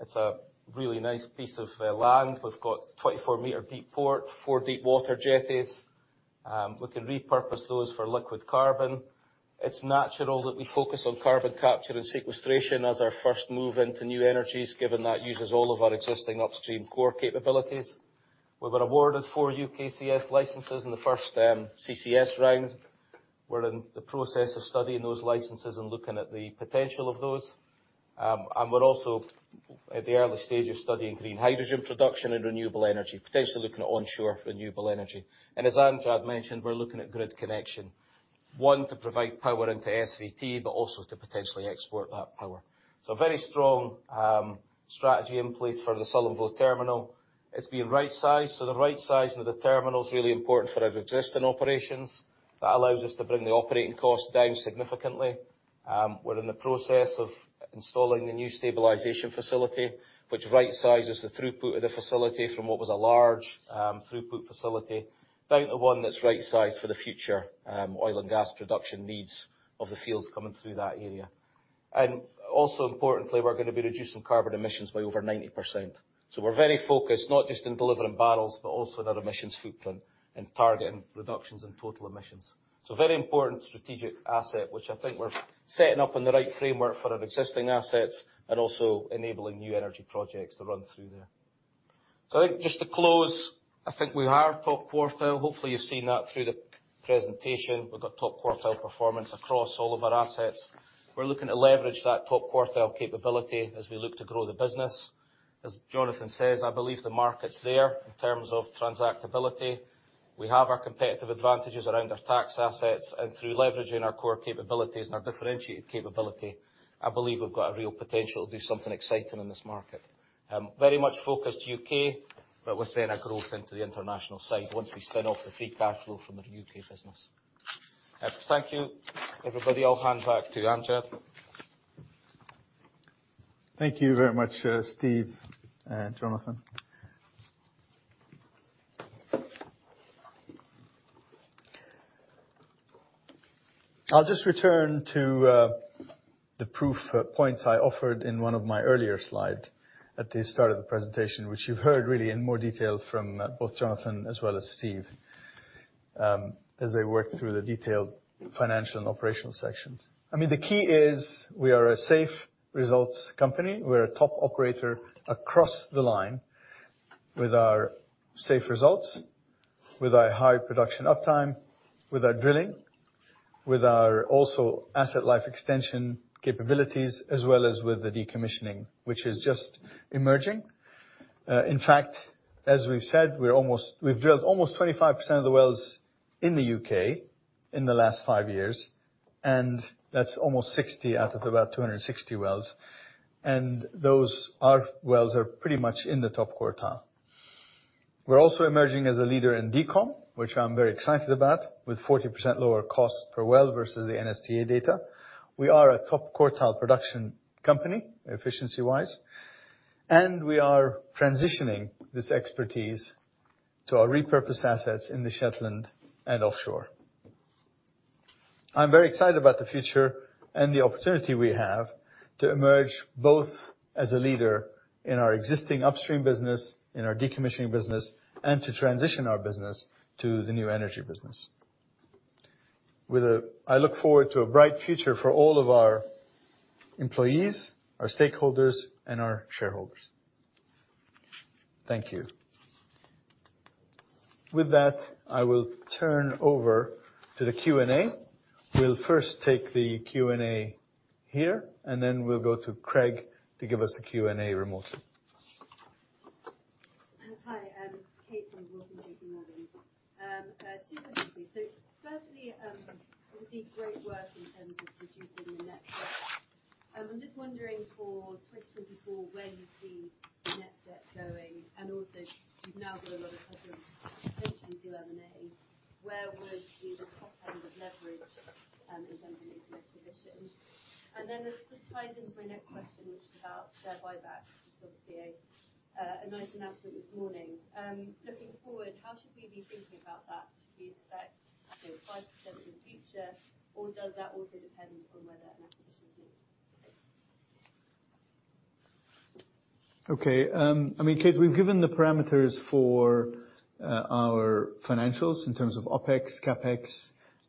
It's a really nice piece of land. We've got 24-meter-deep port, four deep-water jetties. We can repurpose those for liquid carbon. It's natural that we focus on carbon capture and sequestration as our first move into new energies, given that uses all of our existing upstream core capabilities. We were awarded four UKCS licenses in the first CCS round. We're in the process of studying those licenses and looking at the potential of those. We're also at the early stage of studying green hydrogen production and renewable energy, potentially looking at onshore renewable energy. As Amjad mentioned, we're looking at grid connection, one, to provide power into SVT, but also to potentially export that power. A very strong strategy in place for the Sullom Voe Terminal. It's being right-sized. The right size of the terminal is really important for our existing operations. That allows us to bring the operating cost down significantly. We're in the process of installing the new stabilization facility, which right-sizes the throughput of the facility from what was a large throughput facility down to one that's right-sized for the future oil and gas production needs of the fields coming through that area. And also importantly, we're going to be reducing carbon emissions by over 90%. So we're very focused not just in delivering barrels, but also in our emissions footprint and targeting reductions in total emissions. So very important strategic asset, which I think we're setting up in the right framework for our existing assets and also enabling new energy projects to run through there. So I think just to close, I think we are top quartile. Hopefully, you've seen that through the presentation. We've got top quartile performance across all of our assets. We're looking to leverage that top quartile capability as we look to grow the business. As Jonathan says, I believe the market's there in terms of transactability. We have our competitive advantages around our tax assets, and through leveraging our core capabilities and our differentiated capability, I believe we've got a real potential to do something exciting in this market. Very much focused UK, but with then a growth into the international side once we spin off the free cash flow from our UK business. Thank you, everybody. I'll hand back to Amjad. Thank you very much, Steve and Jonathan. I'll just return to the proof points I offered in one of my earlier slides at the start of the presentation, which you've heard really in more detail from both Jonathan as well as Steve as they work through the detailed financial and operational sections. I mean, the key is we are a safe results company. We're a top operator across the line with our safe results, with our high production uptime, with our drilling, with our also asset life extension capabilities, as well as with the decommissioning, which is just emerging. In fact, as we've said, we've drilled almost 25% of the wells in the UK in the last five years, and that's almost 60 out of about 260 wells. And those wells are pretty much in the top quartile. We're also emerging as a leader in DECOM, which I'm very excited about, with 40% lower cost per well versus the NSTA data. We are a top quartile production company efficiency-wise, and we are transitioning this expertise to our repurposed assets in the Shetland and offshore. I'm very excited about the future and the opportunity we have to emerge both as a leader in our existing upstream business, in our decommissioning business, and to transition our business to the new energy business. I look forward to a bright future for all of our employees, our stakeholders, and our shareholders. Thank you. With that, I will turn over to the Q&A. We'll first take the Q&A here, and then we'll go to Craig to give us the Q&A remotely. Hi, Kate from J.P. Morgan Cazenove. Two questions for you. So firstly, we've done great work in terms of reducing the net debt. I'm just wondering for 2024 where you see the net debt going, and also you've now got a lot of funds potentially do M&A. Where would be the top end of leverage in terms of future acquisition? Then this ties into my next question, which is about share buybacks, which obviously a nice announcement this morning. Looking forward, how should we be thinking about that? Should we expect 5% in the future, or does that also depend on whether an acquisition is needed? Okay. I mean, Kate, we've given the parameters for our financials in terms of OpEx, CapEx.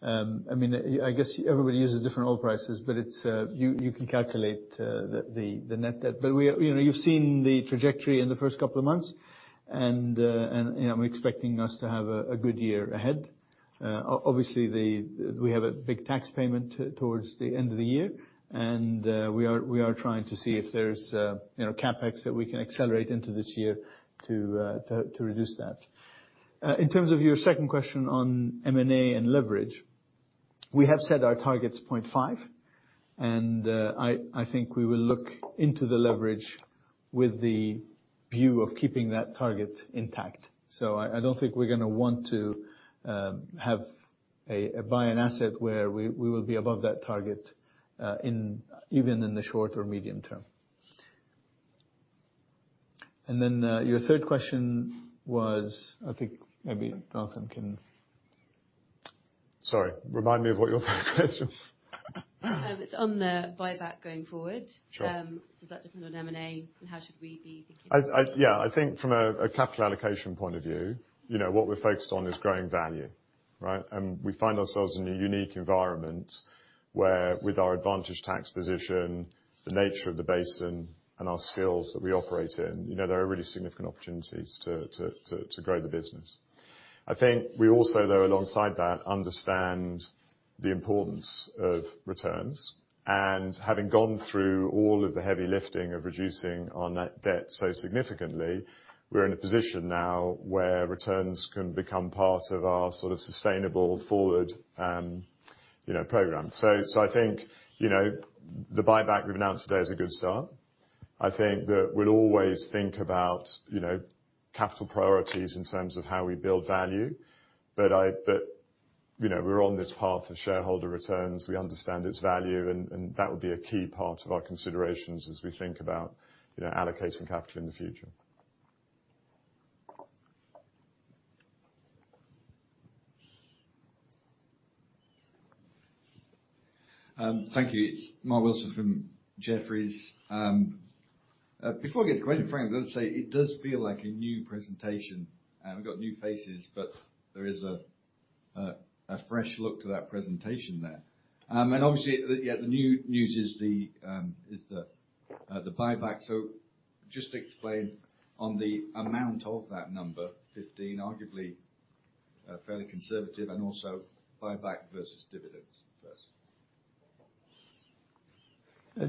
I mean, I guess everybody uses different oil prices, but you can calculate the net debt. But you've seen the trajectory in the first couple of months, and I'm expecting us to have a good year ahead. Obviously, we have a big tax payment towards the end of the year, and we are trying to see if there's CapEx that we can accelerate into this year to reduce that. In terms of your second question on M&A and leverage, we have set our target 0.5, and I think we will look into the leverage with the view of keeping that target intact. So I don't think we're going to want to buy an asset where we will be above that target even in the short or medium term. And then your third question was I think maybe Jonathan can. Sorry. Remind me of what your third question was. It's on the buyback going forward. Does that depend on M&A, and how should we be thinking about it? Yeah. I think from a capital allocation point of view, what we're focused on is growing value. We find ourselves in a unique environment where, with our advantaged tax position, the nature of the basin, and our skills that we operate in, there are really significant opportunities to grow the business. I think we also, though, alongside that, understand the importance of returns. And having gone through all of the heavy lifting of reducing our net debt so significantly, we're in a position now where returns can become part of our sort of sustainable forward program. So I think the buyback we've announced today is a good start. I think that we'll always think about capital priorities in terms of how we build value, but we're on this path of shareholder returns. We understand its value, and that would be a key part of our considerations as we think about allocating capital in the future. Thank you. It's Mark Wilson from Jefferies. Before I get to the question, Frank, I'd say it does feel like a new presentation. We've got new faces, but there is a fresh look to that presentation there. Obviously, the new news is the buyback. So just explain on the amount of that number, 15, arguably fairly conservative, and also buyback versus dividends first.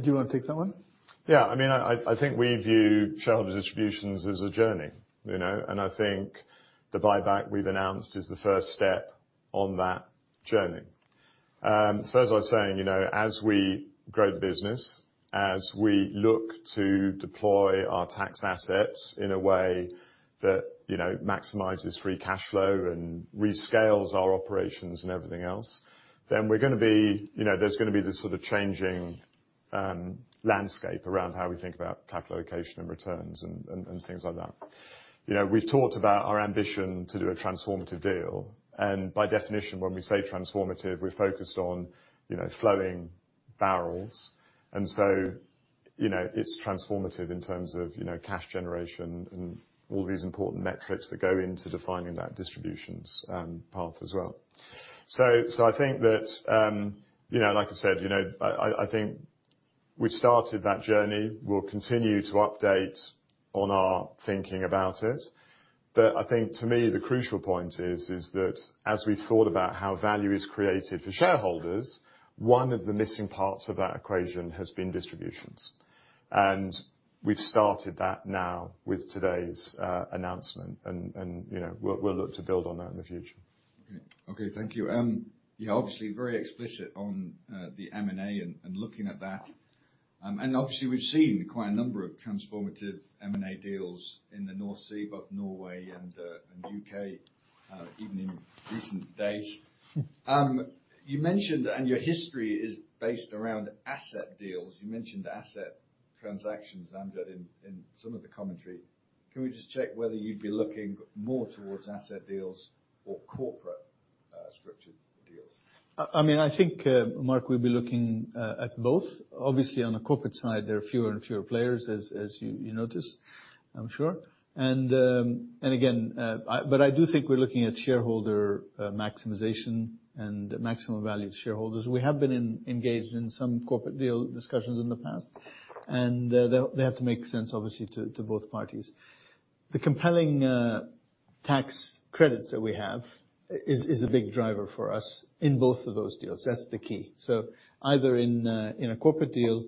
Do you want to take that one? Yeah. I mean, I think we view shareholder distributions as a journey, and I think the buyback we've announced is the first step on that journey. So as I was saying, as we grow the business, as we look to deploy our tax assets in a way that maximizes free cash flow and rescales our operations and everything else, then we're going to be, there's going to be this sort of changing landscape around how we think about capital allocation and returns and things like that. We've talked about our ambition to do a transformative deal, and by definition, when we say transformative, we're focused on flowing barrels. And so it's transformative in terms of cash generation and all these important metrics that go into defining that distributions path as well. So I think that, like I said, I think we've started that journey. We'll continue to update on our thinking about it. But I think, to me, the crucial point is that as we've thought about how value is created for shareholders, one of the missing parts of that equation has been distributions. And we've started that now with today's announcement, and we'll look to build on that in the future. Okay. Thank you. You're obviously very explicit on the M&A and looking at that. Obviously, we've seen quite a number of transformative M&A deals in the North Sea, both Norway and UK, even in recent days. You mentioned, and your history is based around asset deals. You mentioned asset transactions, Amjad, in some of the commentary. Can we just check whether you'd be looking more towards asset deals or corporate structured deals? I mean, I think, Mark, we'd be looking at both. Obviously, on the corporate side, there are fewer and fewer players, as you notice, I'm sure. But I do think we're looking at shareholder maximization and maximum value to shareholders. We have been engaged in some corporate deal discussions in the past, and they have to make sense, obviously, to both parties. The compelling tax credits that we have is a big driver for us in both of those deals. That's the key. So either in a corporate deal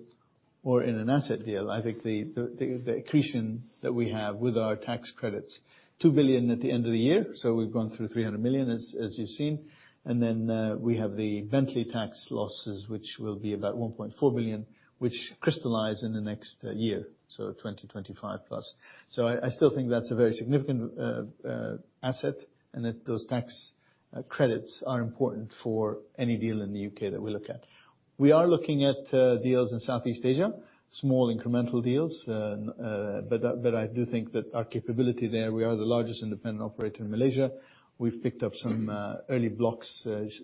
or in an asset deal, I think the accretion that we have with our tax credits $2 billion at the end of the year, so we've gone through $300 million, as you've seen. And then we have the Bentley tax losses, which will be about $1.4 billion, which crystallize in the next year, so 2025 plus. So I still think that's a very significant asset, and those tax credits are important for any deal in the U.K. that we look at. We are looking at deals in Southeast Asia, small incremental deals, but I do think that our capability there we are the largest independent operator in Malaysia. We've picked up some early blocks,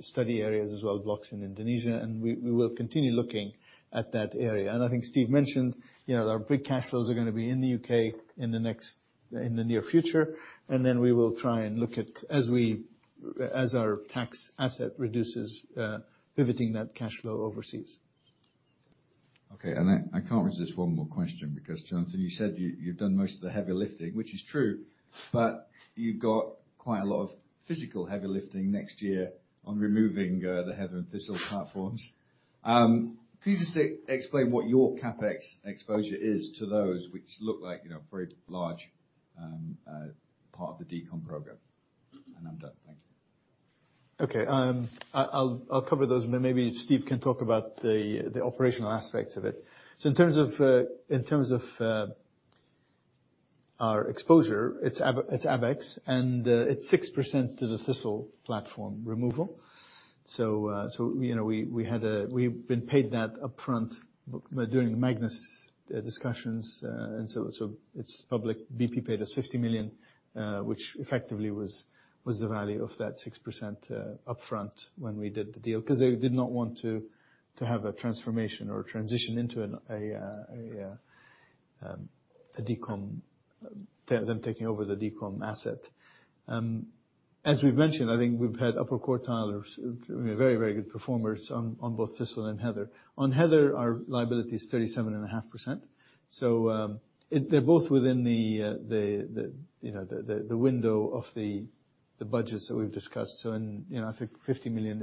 study areas as well, blocks in Indonesia, and we will continue looking at that area. I think Steve mentioned our big cash flows are going to be in the UK in the near future, and then we will try and look at as our tax asset reduces, pivoting that cash flow overseas. Okay. And I can't resist one more question because, Jonathan, you said you've done most of the heavy lifting, which is true, but you've got quite a lot of physical heavy lifting next year on removing the Heather and Thistle platforms. Could you just explain what your CapEx exposure is to those which look like a very large part of the DECOM program? And I'm done. Thank you. Okay. I'll cover those, and maybe Steve can talk about the operational aspects of it. So in terms of our exposure, it's CapEx, and it's 6% to the Thistle platform removal. So we've been paid that upfront during the Magnus discussions, and so it's public. BP paid us $50 million, which effectively was the value of that 6% upfront when we did the deal because they did not want to have a transformation or transition into a DECOM, them taking over the DECOM asset. As we've mentioned, I think we've had upper quartile very, very good performers on both Thistle and Heather. On Heather, our liability is 37.5%. So they're both within the window of the budgets that we've discussed. So I think $50 million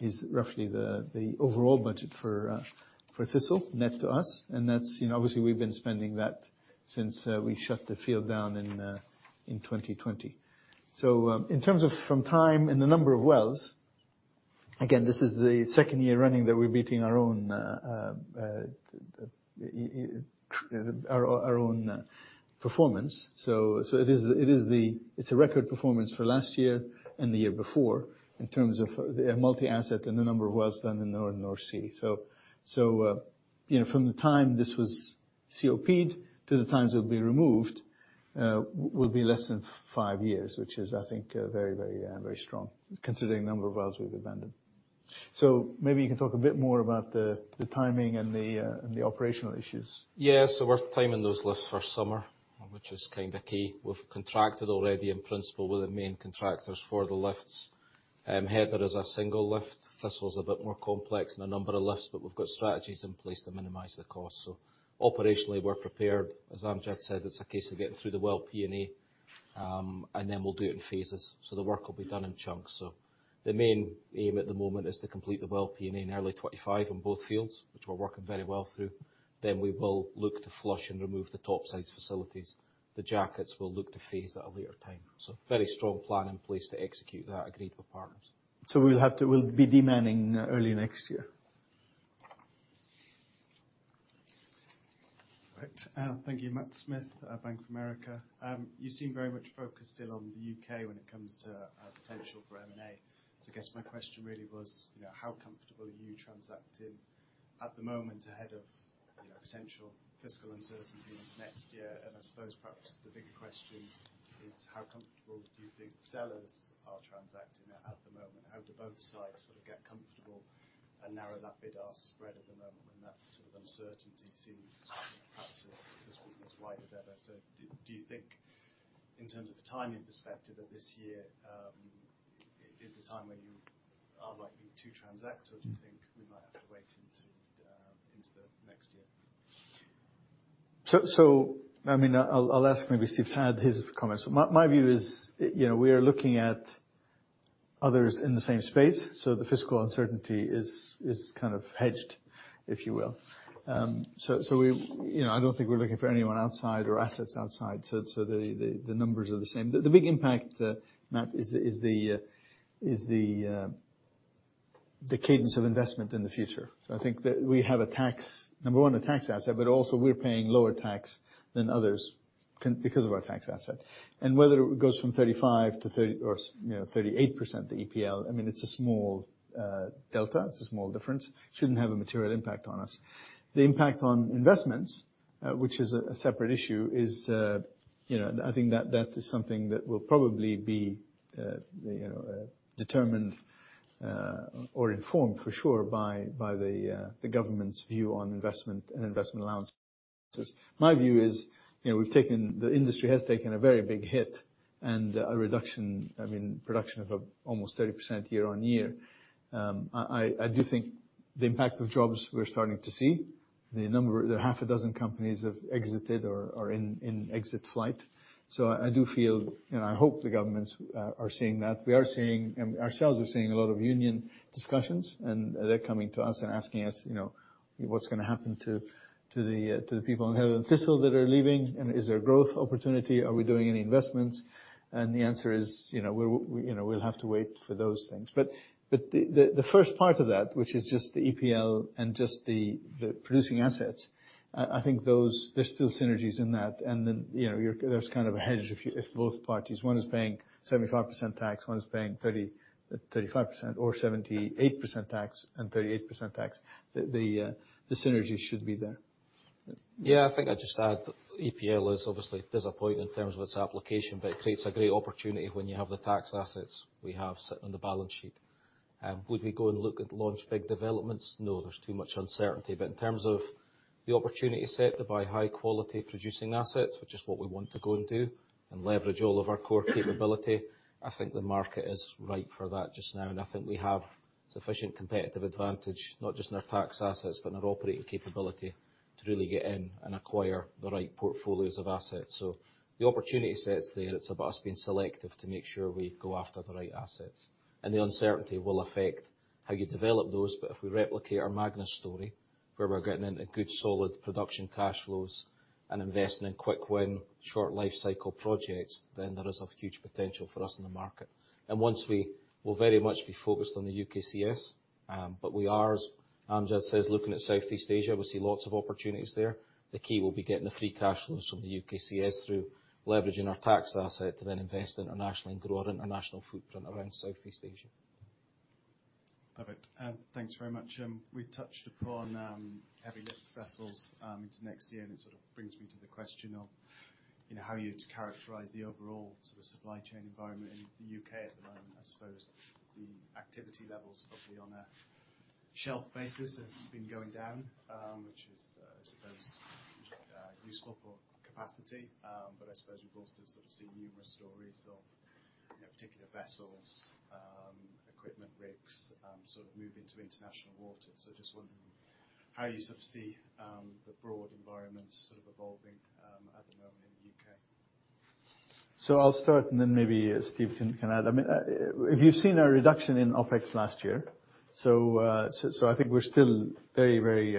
is roughly the overall budget for Thistle, net to us, and obviously, we've been spending that since we shut the field down in 2020. So in terms of from time and the number of wells again, this is the second year running that we're beating our own performance. So it's a record performance for last year and the year before in terms of multi-asset and the number of wells done in the North Sea. So from the time this was CoP'd to the time it will be removed will be less than five years, which is, I think, very, very strong, considering the number of wells we've abandoned. So maybe you can talk a bit more about the timing and the operational issues. Yeah. So we're timing those lifts for summer, which is kind of key. We've contracted already, in principle, with the main contractors for the lifts. Heather is a single lift. Thistle is a bit more complex and a number of lifts, but we've got strategies in place to minimize the cost. So operationally, we're prepared. As Amjad said, it's a case of getting through the well P&A, and then we'll do it in phases. So the work will be done in chunks. So the main aim at the moment is to complete the well P&A in early 2025 on both fields, which we're working very well through. Then we will look to flush and remove the topside facilities. The jackets will look to phase at a later time. So very strong plan in place to execute that, agreed with partners. So we'll be de-manning early next year? Right. Thank you, Matt Smith, Bank of America. You seem very much focused still on the UK when it comes to potential for M&A. So I guess my question really was, how comfortable are you transacting at the moment ahead of potential fiscal uncertainty into next year? And I suppose perhaps the bigger question is, how comfortable do you think sellers are transacting at the moment? How do both sides sort of get comfortable and narrow that bid-ask spread at the moment when that sort of uncertainty seems perhaps as wide as ever? So do you think, in terms of a timing perspective, that this year is a time where you are likely to transact, or do you think we might have to wait into the next year? So I mean, I'll ask maybe Steve to add his comments. My view is we are looking at others in the same space, so the fiscal uncertainty is kind of hedged, if you will. So I don't think we're looking for anyone outside or assets outside, so the numbers are the same. The big impact, Matt, is the cadence of investment in the future. So I think that we have a tax, number one, a tax asset, but also we're paying lower tax than others because of our tax asset. Whether it goes from 35%-38%, the EPL, I mean, it's a small delta. It's a small difference. It shouldn't have a material impact on us. The impact on investments, which is a separate issue, is I think that is something that will probably be determined or informed, for sure, by the government's view on investment and investment allowances. My view is we've taken the industry has taken a very big hit and a reduction, I mean, production of almost 30% year-on-year. I do think the impact of jobs we're starting to see, the number, the 6 companies have exited or are in exit flight. So I do feel and I hope the governments are seeing that. We are seeing and ourselves are seeing a lot of union discussions, and they're coming to us and asking us what's going to happen to the people in Heather and Thistle that are leaving, and is there a growth opportunity? Are we doing any investments? And the answer is we'll have to wait for those things. But the first part of that, which is just the EPL and just the producing assets, I think those there's still synergies in that, and then there's kind of a hedge if both parties one is paying 75% tax, one is paying 35%, or 78% tax and 38% tax. The Senergy should be there. Yeah. I think I'd just add EPL is obviously disappointing in terms of its application, but it creates a great opportunity when you have the tax assets we have sitting on the balance sheet. Would we go and launch big developments? No. There's too much uncertainty. But in terms of the opportunity set to buy high-quality producing assets, which is what we want to go and do, and leverage all of our core capability, I think the market is ripe for that just now, and I think we have sufficient competitive advantage, not just in our tax assets but in our operating capability, to really get in and acquire the right portfolios of assets. So the opportunity set's there. It's about us being selective to make sure we go after the right assets. The uncertainty will affect how you develop those, but if we replicate our Magnus story, where we're getting in good, solid production cash flows and investing in quick-win, short-life cycle projects, then there is a huge potential for us in the market. And once we will very much be focused on the UKCS, but we are, as Amjad says, looking at Southeast Asia. We'll see lots of opportunities there. The key will be getting the free cash flows from the UKCS through leveraging our tax asset to then invest internationally and grow our international footprint around Southeast Asia. Perfect. Thanks very much. We've touched upon heavy lift vessels into next year, and it sort of brings me to the question of how you'd characterize the overall sort of supply chain environment in the UK at the moment. I suppose the activity levels, probably on a shelf basis, has been going down, which is, I suppose, useful for capacity. But I suppose we've also sort of seen numerous stories of particular vessels, equipment rigs, sort of moving to international waters. So I'm just wondering how you sort of see the broad environment sort of evolving at the moment in the UK. So I'll start, and then maybe Steve can add. I mean, if you've seen a reduction in OPEX last year, so I think we're still very, very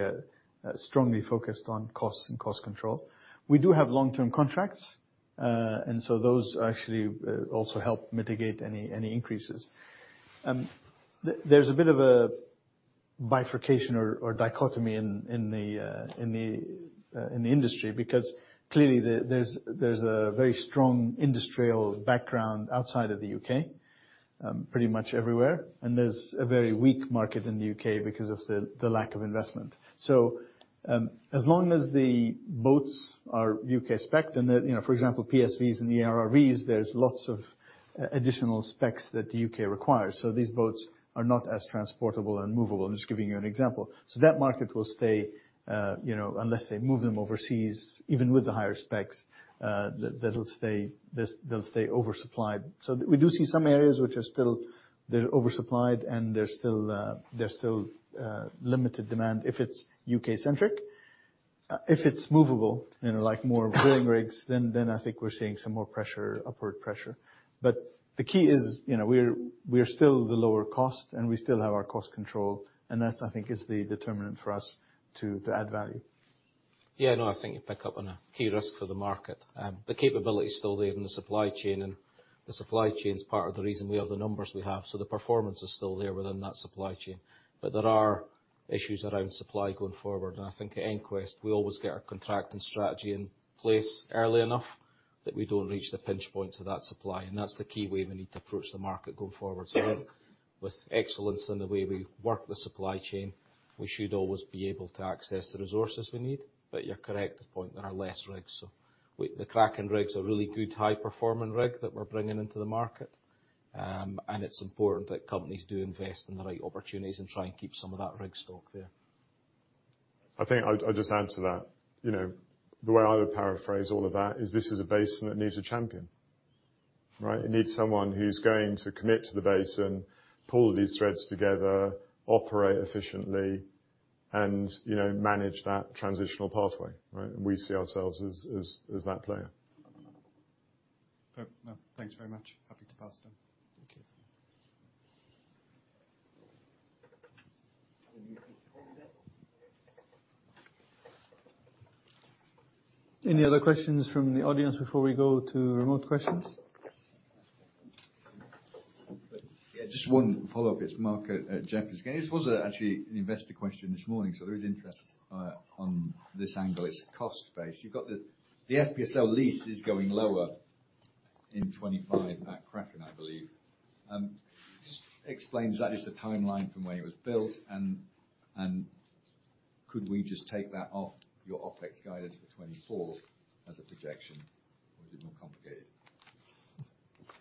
strongly focused on costs and cost control. We do have long-term contracts, and so those actually also help mitigate any increases. There's a bit of a bifurcation or dichotomy in the industry because, clearly, there's a very strong industrial background outside of the UK, pretty much everywhere, and there's a very weak market in the UK because of the lack of investment. So as long as the boats are UK specced and for example, PSVs and ERRVs, there's lots of additional specs that the UK requires. So these boats are not as transportable and movable, I'm just giving you an example. So that market will stay unless they move them overseas, even with the higher specs, they'll stay oversupplied. So we do see some areas which are still they're oversupplied, and there's still limited demand if it's UK-centric. If it's movable, like more drilling rigs, then I think we're seeing some more pressure, upward pressure. But the key is we're still the lower cost, and we still have our cost control, and that, I think, is the determinant for us to add value. Yeah. No. I think you pick up on a key risk for the market. The capability's still there in the supply chain, and the supply chain's part of the reason we have the numbers we have. So the performance is still there within that supply chain. But there are issues around supply going forward, and I think at EnQuest, we always get our contract and strategy in place early enough that we don't reach the pinch point of that supply, and that's the key way we need to approach the market going forward. So I think with excellence in the way we work the supply chain, we should always be able to access the resources we need. You're correct to the point there are less rigs. The Kraken rigs are a really good, high-performing rig that we're bringing into the market, and it's important that companies do invest in the right opportunities and try and keep some of that rig stock there. I think I'll just add to that. The way I would paraphrase all of that is this is a basin that needs a champion, right? It needs someone who's going to commit to the basin, pull these threads together, operate efficiently, and manage that transitional pathway, right? We see ourselves as that player. Perfect. No. Thanks very much. Happy to pass it on. Thank you. Any other questions from the audience before we go to remote questions? Yeah. Just one follow-up. It's Mark at Jefferies again. This was actually an investor question this morning, so there is interest on this angle. It's cost-based. The FPSO lease is going lower in 2025 at Kraken, I believe. Just explain, is that just a timeline from when it was built, and could we just take that off your OpEx guidance for 2024 as a projection, or is it more complicated?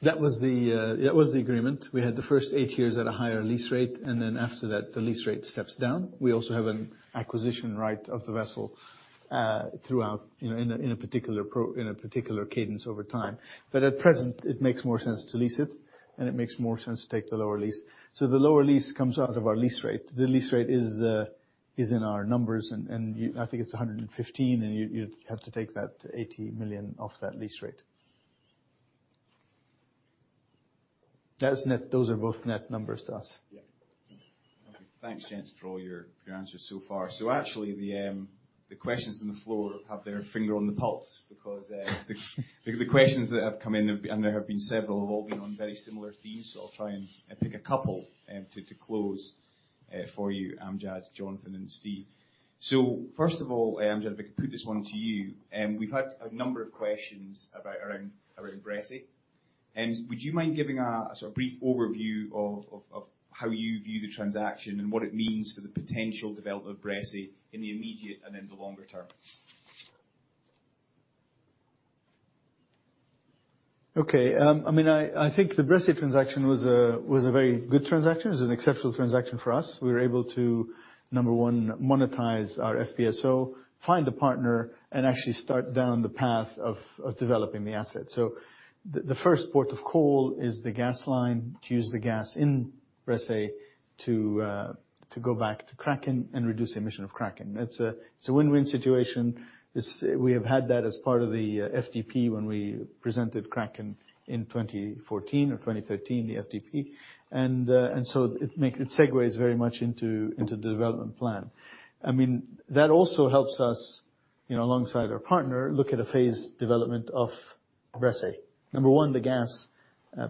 That was the agreement. We had the first eight years at a higher lease rate, and then after that, the lease rate steps down. We also have an acquisition right of the vessel throughout in a particular cadence over time. But at present, it makes more sense to lease it, and it makes more sense to take the lower lease. So the lower lease comes out of our lease rate. The lease rate is in our numbers, and I think it's $115 million, and you'd have to take that $80 million off that lease rate. Those are both net numbers to us. Yeah. Thanks, Gents, for all your answers so far. So actually, the questions on the floor have their finger on the pulse because the questions that have come in, and there have been several, have all been on very similar themes, so I'll try and pick a couple to close for you, Amjad, Jonathan, and Steve. So first of all, Amjad, if I could put this one to you. We've had a number of questions around Bressay. Would you mind giving a sort of brief overview of how you view the transaction and what it means for the potential development of Bressay in the immediate and then the longer term? Okay. I mean, I think the Bressay transaction was a very good transaction. It was an exceptional transaction for us. We were able to, number one, monetize our FPSO, find a partner, and actually start down the path of developing the asset. So the first port of call is the gas line, to use the gas in Bressay to go back to Kraken and reduce the emission of Kraken. It's a win-win situation. We have had that as part of the FDP when we presented Kraken in 2014 or 2013, the FDP, and so it segues very much into the development plan. I mean, that also helps us, alongside our partner, look at a phased development of Bressay. Number one, the gas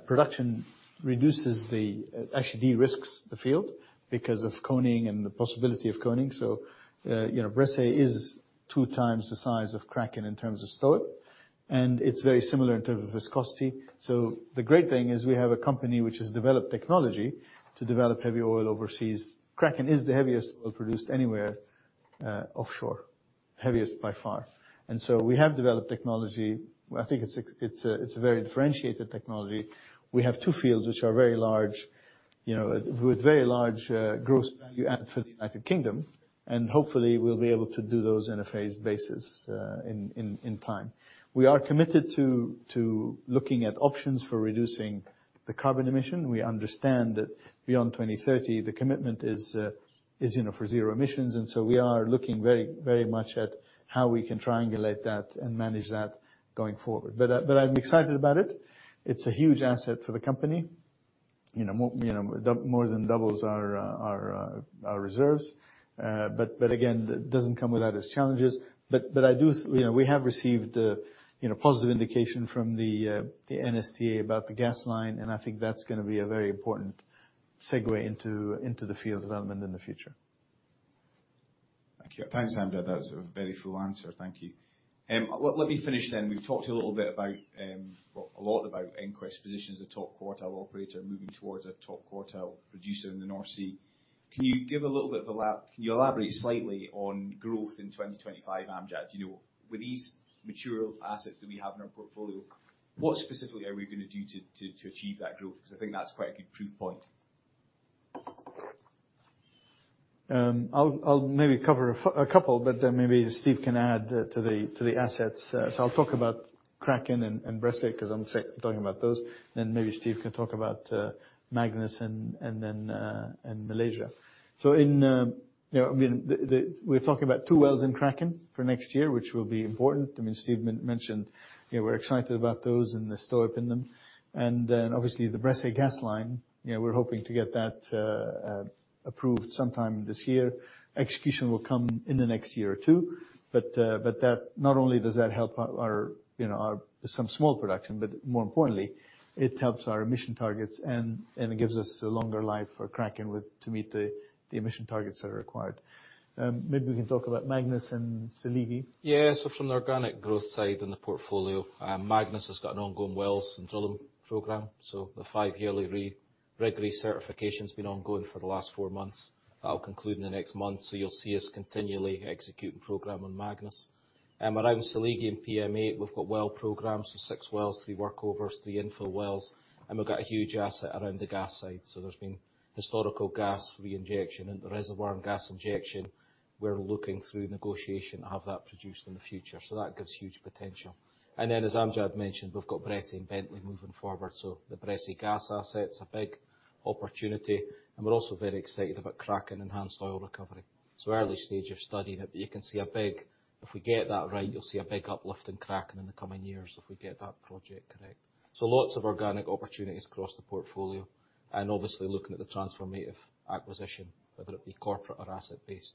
production reduces the actually, de-risks the field because of coning and the possibility of coning. So Bressay is two times the size of Kraken in terms of STOIIP, and it's very similar in terms of viscosity. The great thing is we have a company which has developed technology to develop heavy oil overseas. Kraken is the heaviest oil produced anywhere offshore, heaviest by far. We have developed technology. I think it's a very differentiated technology. We have two fields which are very large, with very large gross value add for the United Kingdom, and hopefully we'll be able to do those in a phased basis in time. We are committed to looking at options for reducing the carbon emission. We understand that beyond 2030, the commitment is for zero emissions, and so we are looking very much at how we can triangulate that and manage that going forward. But I'm excited about it. It's a huge asset for the company, more than doubles our reserves. But again, it doesn't come without its challenges. But we have received positive indication from the NSTA about the gas line, and I think that's going to be a very important segue into the field development in the future. Thank you. Thanks, Amjad. That was a very full answer. Thank you. Let me finish then. We've talked a little bit about, well, a lot about EnQuest's position as a top quartile operator moving towards a top quartile producer in the North Sea. Can you give a little bit of a can you elaborate slightly on growth in 2025, Amjad? With these mature assets that we have in our portfolio, what specifically are we going to do to achieve that growth? Because I think that's quite a good proof point. I'll maybe cover a couple, but then maybe Steve can add to the assets. So I'll talk about Kraken and Bressay because I'm talking about those, and then maybe Steve can talk about Magnus and Malaysia. So in I mean, we're talking about 2 wells in Kraken for next year, which will be important. I mean, Steve mentioned we're excited about those and the STOIIP in them. And obviously, the Bressay gas line, we're hoping to get that approved sometime this year. Execution will come in the next year or two. But not only does that help our some small production, but more importantly, it helps our emission targets and it gives us a longer life for Kraken to meet the emission targets that are required. Maybe we can talk about Magnus and Seligi. Yeah. So from the organic growth side in the portfolio, Magnus has got an ongoing wells and drilling programme. So the five-yearly re-certification's been ongoing for the last 4 months. That'll conclude in the next month, so you'll see us continually executing program on Magnus. Around Seligi and PM8, we've got well programs, so six wells, three workovers, three infill wells, and we've got a huge asset around the gas side. So there's been historical gas reinjection into the reservoir and gas injection. We're looking through negotiation to have that produced in the future, so that gives huge potential. And then, as Amjad mentioned, we've got Bressay and Bentley moving forward, so the Bressay gas asset's a big opportunity, and we're also very excited about Kraken enhanced oil recovery. So early stage of studying it, but you can see a big if we get that right, you'll see a big uplift in Kraken in the coming years if we get that project correct. So lots of organic opportunities across the portfolio, and obviously looking at the transformative acquisition, whether it be corporate or asset-based.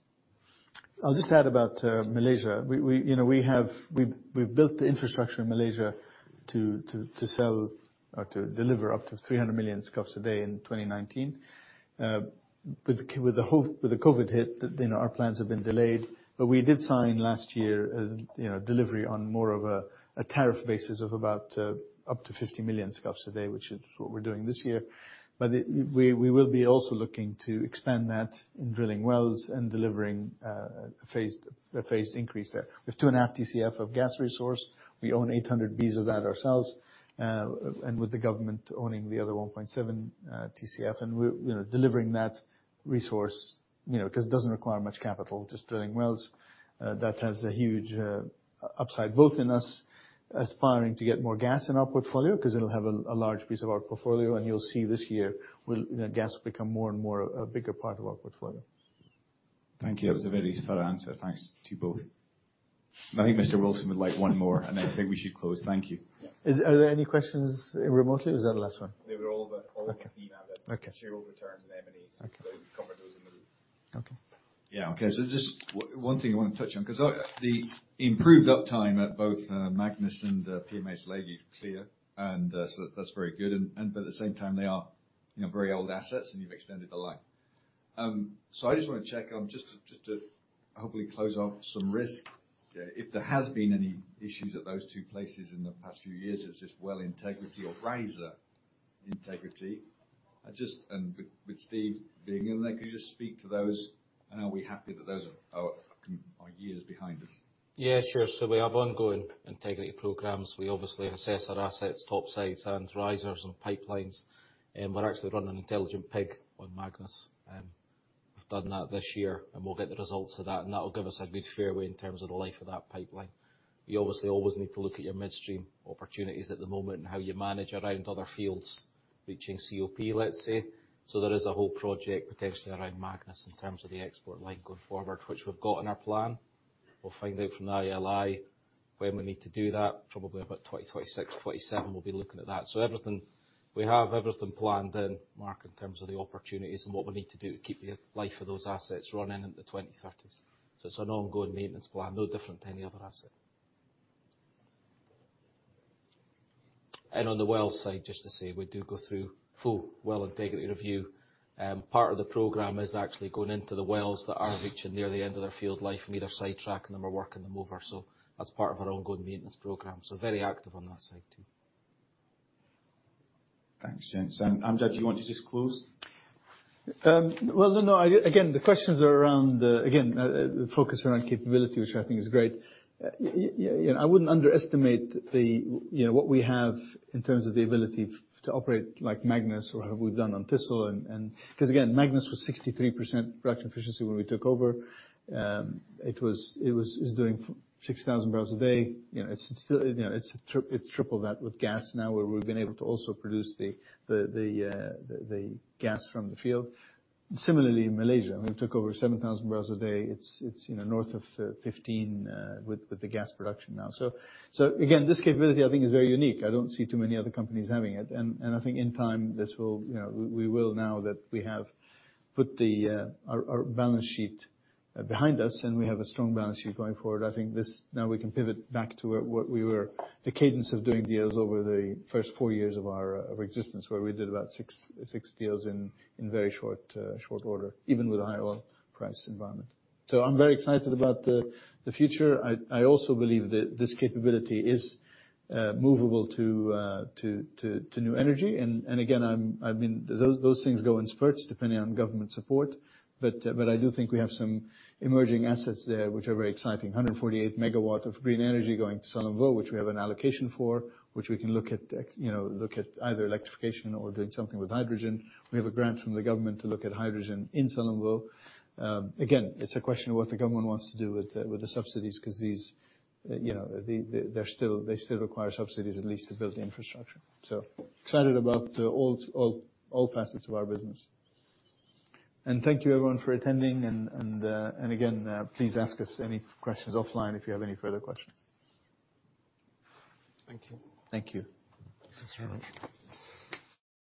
I'll just add about Malaysia. We've built the infrastructure in Malaysia to sell or to deliver up to 300 million scf a day in 2019. With the COVID hit, our plans have been delayed, but we did sign last year delivery on more of a tariff basis of about up to 50 million scf a day, which is what we're doing this year. But we will be also looking to expand that in drilling wells and delivering a phased increase there. We have 2.5 TCF of gas resource. We own 800 B's of that ourselves, and with the government owning the other 1.7 TCF and delivering that resource because it doesn't require much capital, just drilling wells, that has a huge upside both in us aspiring to get more gas in our portfolio because it'll have a large piece of our portfolio, and you'll see this year gas will become more and more a bigger part of our portfolio. Thank you. That was a very thorough answer. Thanks to you both. I think Mr. Wilson would like one more, and then I think we should close. Thank you. Are there any questions remotely, or is that the last one? They were all on the team, Amjad. Shareholder returns and M&As. We covered those in the room. Yeah. Okay. So just one thing I want to touch on because the improved uptime at both Magnus and PM8 Seligi is clear, and so that's very good. But at the same time, they are very old assets, and you've extended the life. So I just want to check on just to hopefully close off some risk. If there has been any issues at those two places in the past few years, it's just well integrity or riser integrity. And with Steve being in there, could you just speak to those, and are we happy that those are years behind us? Yeah. Sure. So we have ongoing integrity programs. We obviously assess our assets, topsides, and risers and pipelines. We're actually running an intelligent pig on Magnus. We've done that this year, and we'll get the results of that, and that'll give us a good fairway in terms of the life of that pipeline. You obviously always need to look at your midstream opportunities at the moment and how you manage around other fields reaching CoP, let's say. So there is a whole project potentially around Magnus in terms of the export line going forward, which we've got in our plan. We'll find out from the ILI when we need to do that. Probably about 2026-2027, we'll be looking at that. So we have everything planned in, Mark, in terms of the opportunities and what we need to do to keep the life of those assets running into the 2030s. So it's an ongoing maintenance plan, no different to any other asset. On the wells side, just to say, we do go through full well integrity review. Part of the program is actually going into the wells that are reaching near the end of their field life and either sidetracking them or working them over. So that's part of our ongoing maintenance program. So very active on that side too. Thanks, Gents. And Amjad, do you want to just close? Well, no, no. Again, the questions are around again, the focus around capability, which I think is great. I wouldn't underestimate what we have in terms of the ability to operate like Magnus or what we've done on Thistle because, again, Magnus was 63% production efficiency when we took over. It is doing 6,000 barrels a day. It's tripled that with gas now where we've been able to also produce the gas from the field. Similarly, Malaysia. We've took over 7,000 barrels a day. It's north of 15 with the gas production now. So again, this capability, I think, is very unique. I don't see too many other companies having it. And I think in time, we will now that we have put our balance sheet behind us and we have a strong balance sheet going forward, I think now we can pivot back to what we were the cadence of doing deals over the first four years of our existence where we did about 6 deals in very short order, even with a higher oil price environment. So I'm very excited about the future. I also believe that this capability is movable to new energy. And again, I mean, those things go in spurts depending on government support, but I do think we have some emerging assets there which are very exciting, 148 megawatts of green energy going to Sullom Voe, which we have an allocation for, which we can look at either electrification or doing something with hydrogen. We have a grant from the government to look at hydrogen in Sullom Voe. Again, it's a question of what the government wants to do with the subsidies because they still require subsidies at least to build the infrastructure. So excited about all facets of our business. And thank you, everyone, for attending. And again, please ask us any questions offline if you have any further questions. Thank you. Thank you. Thanks very much.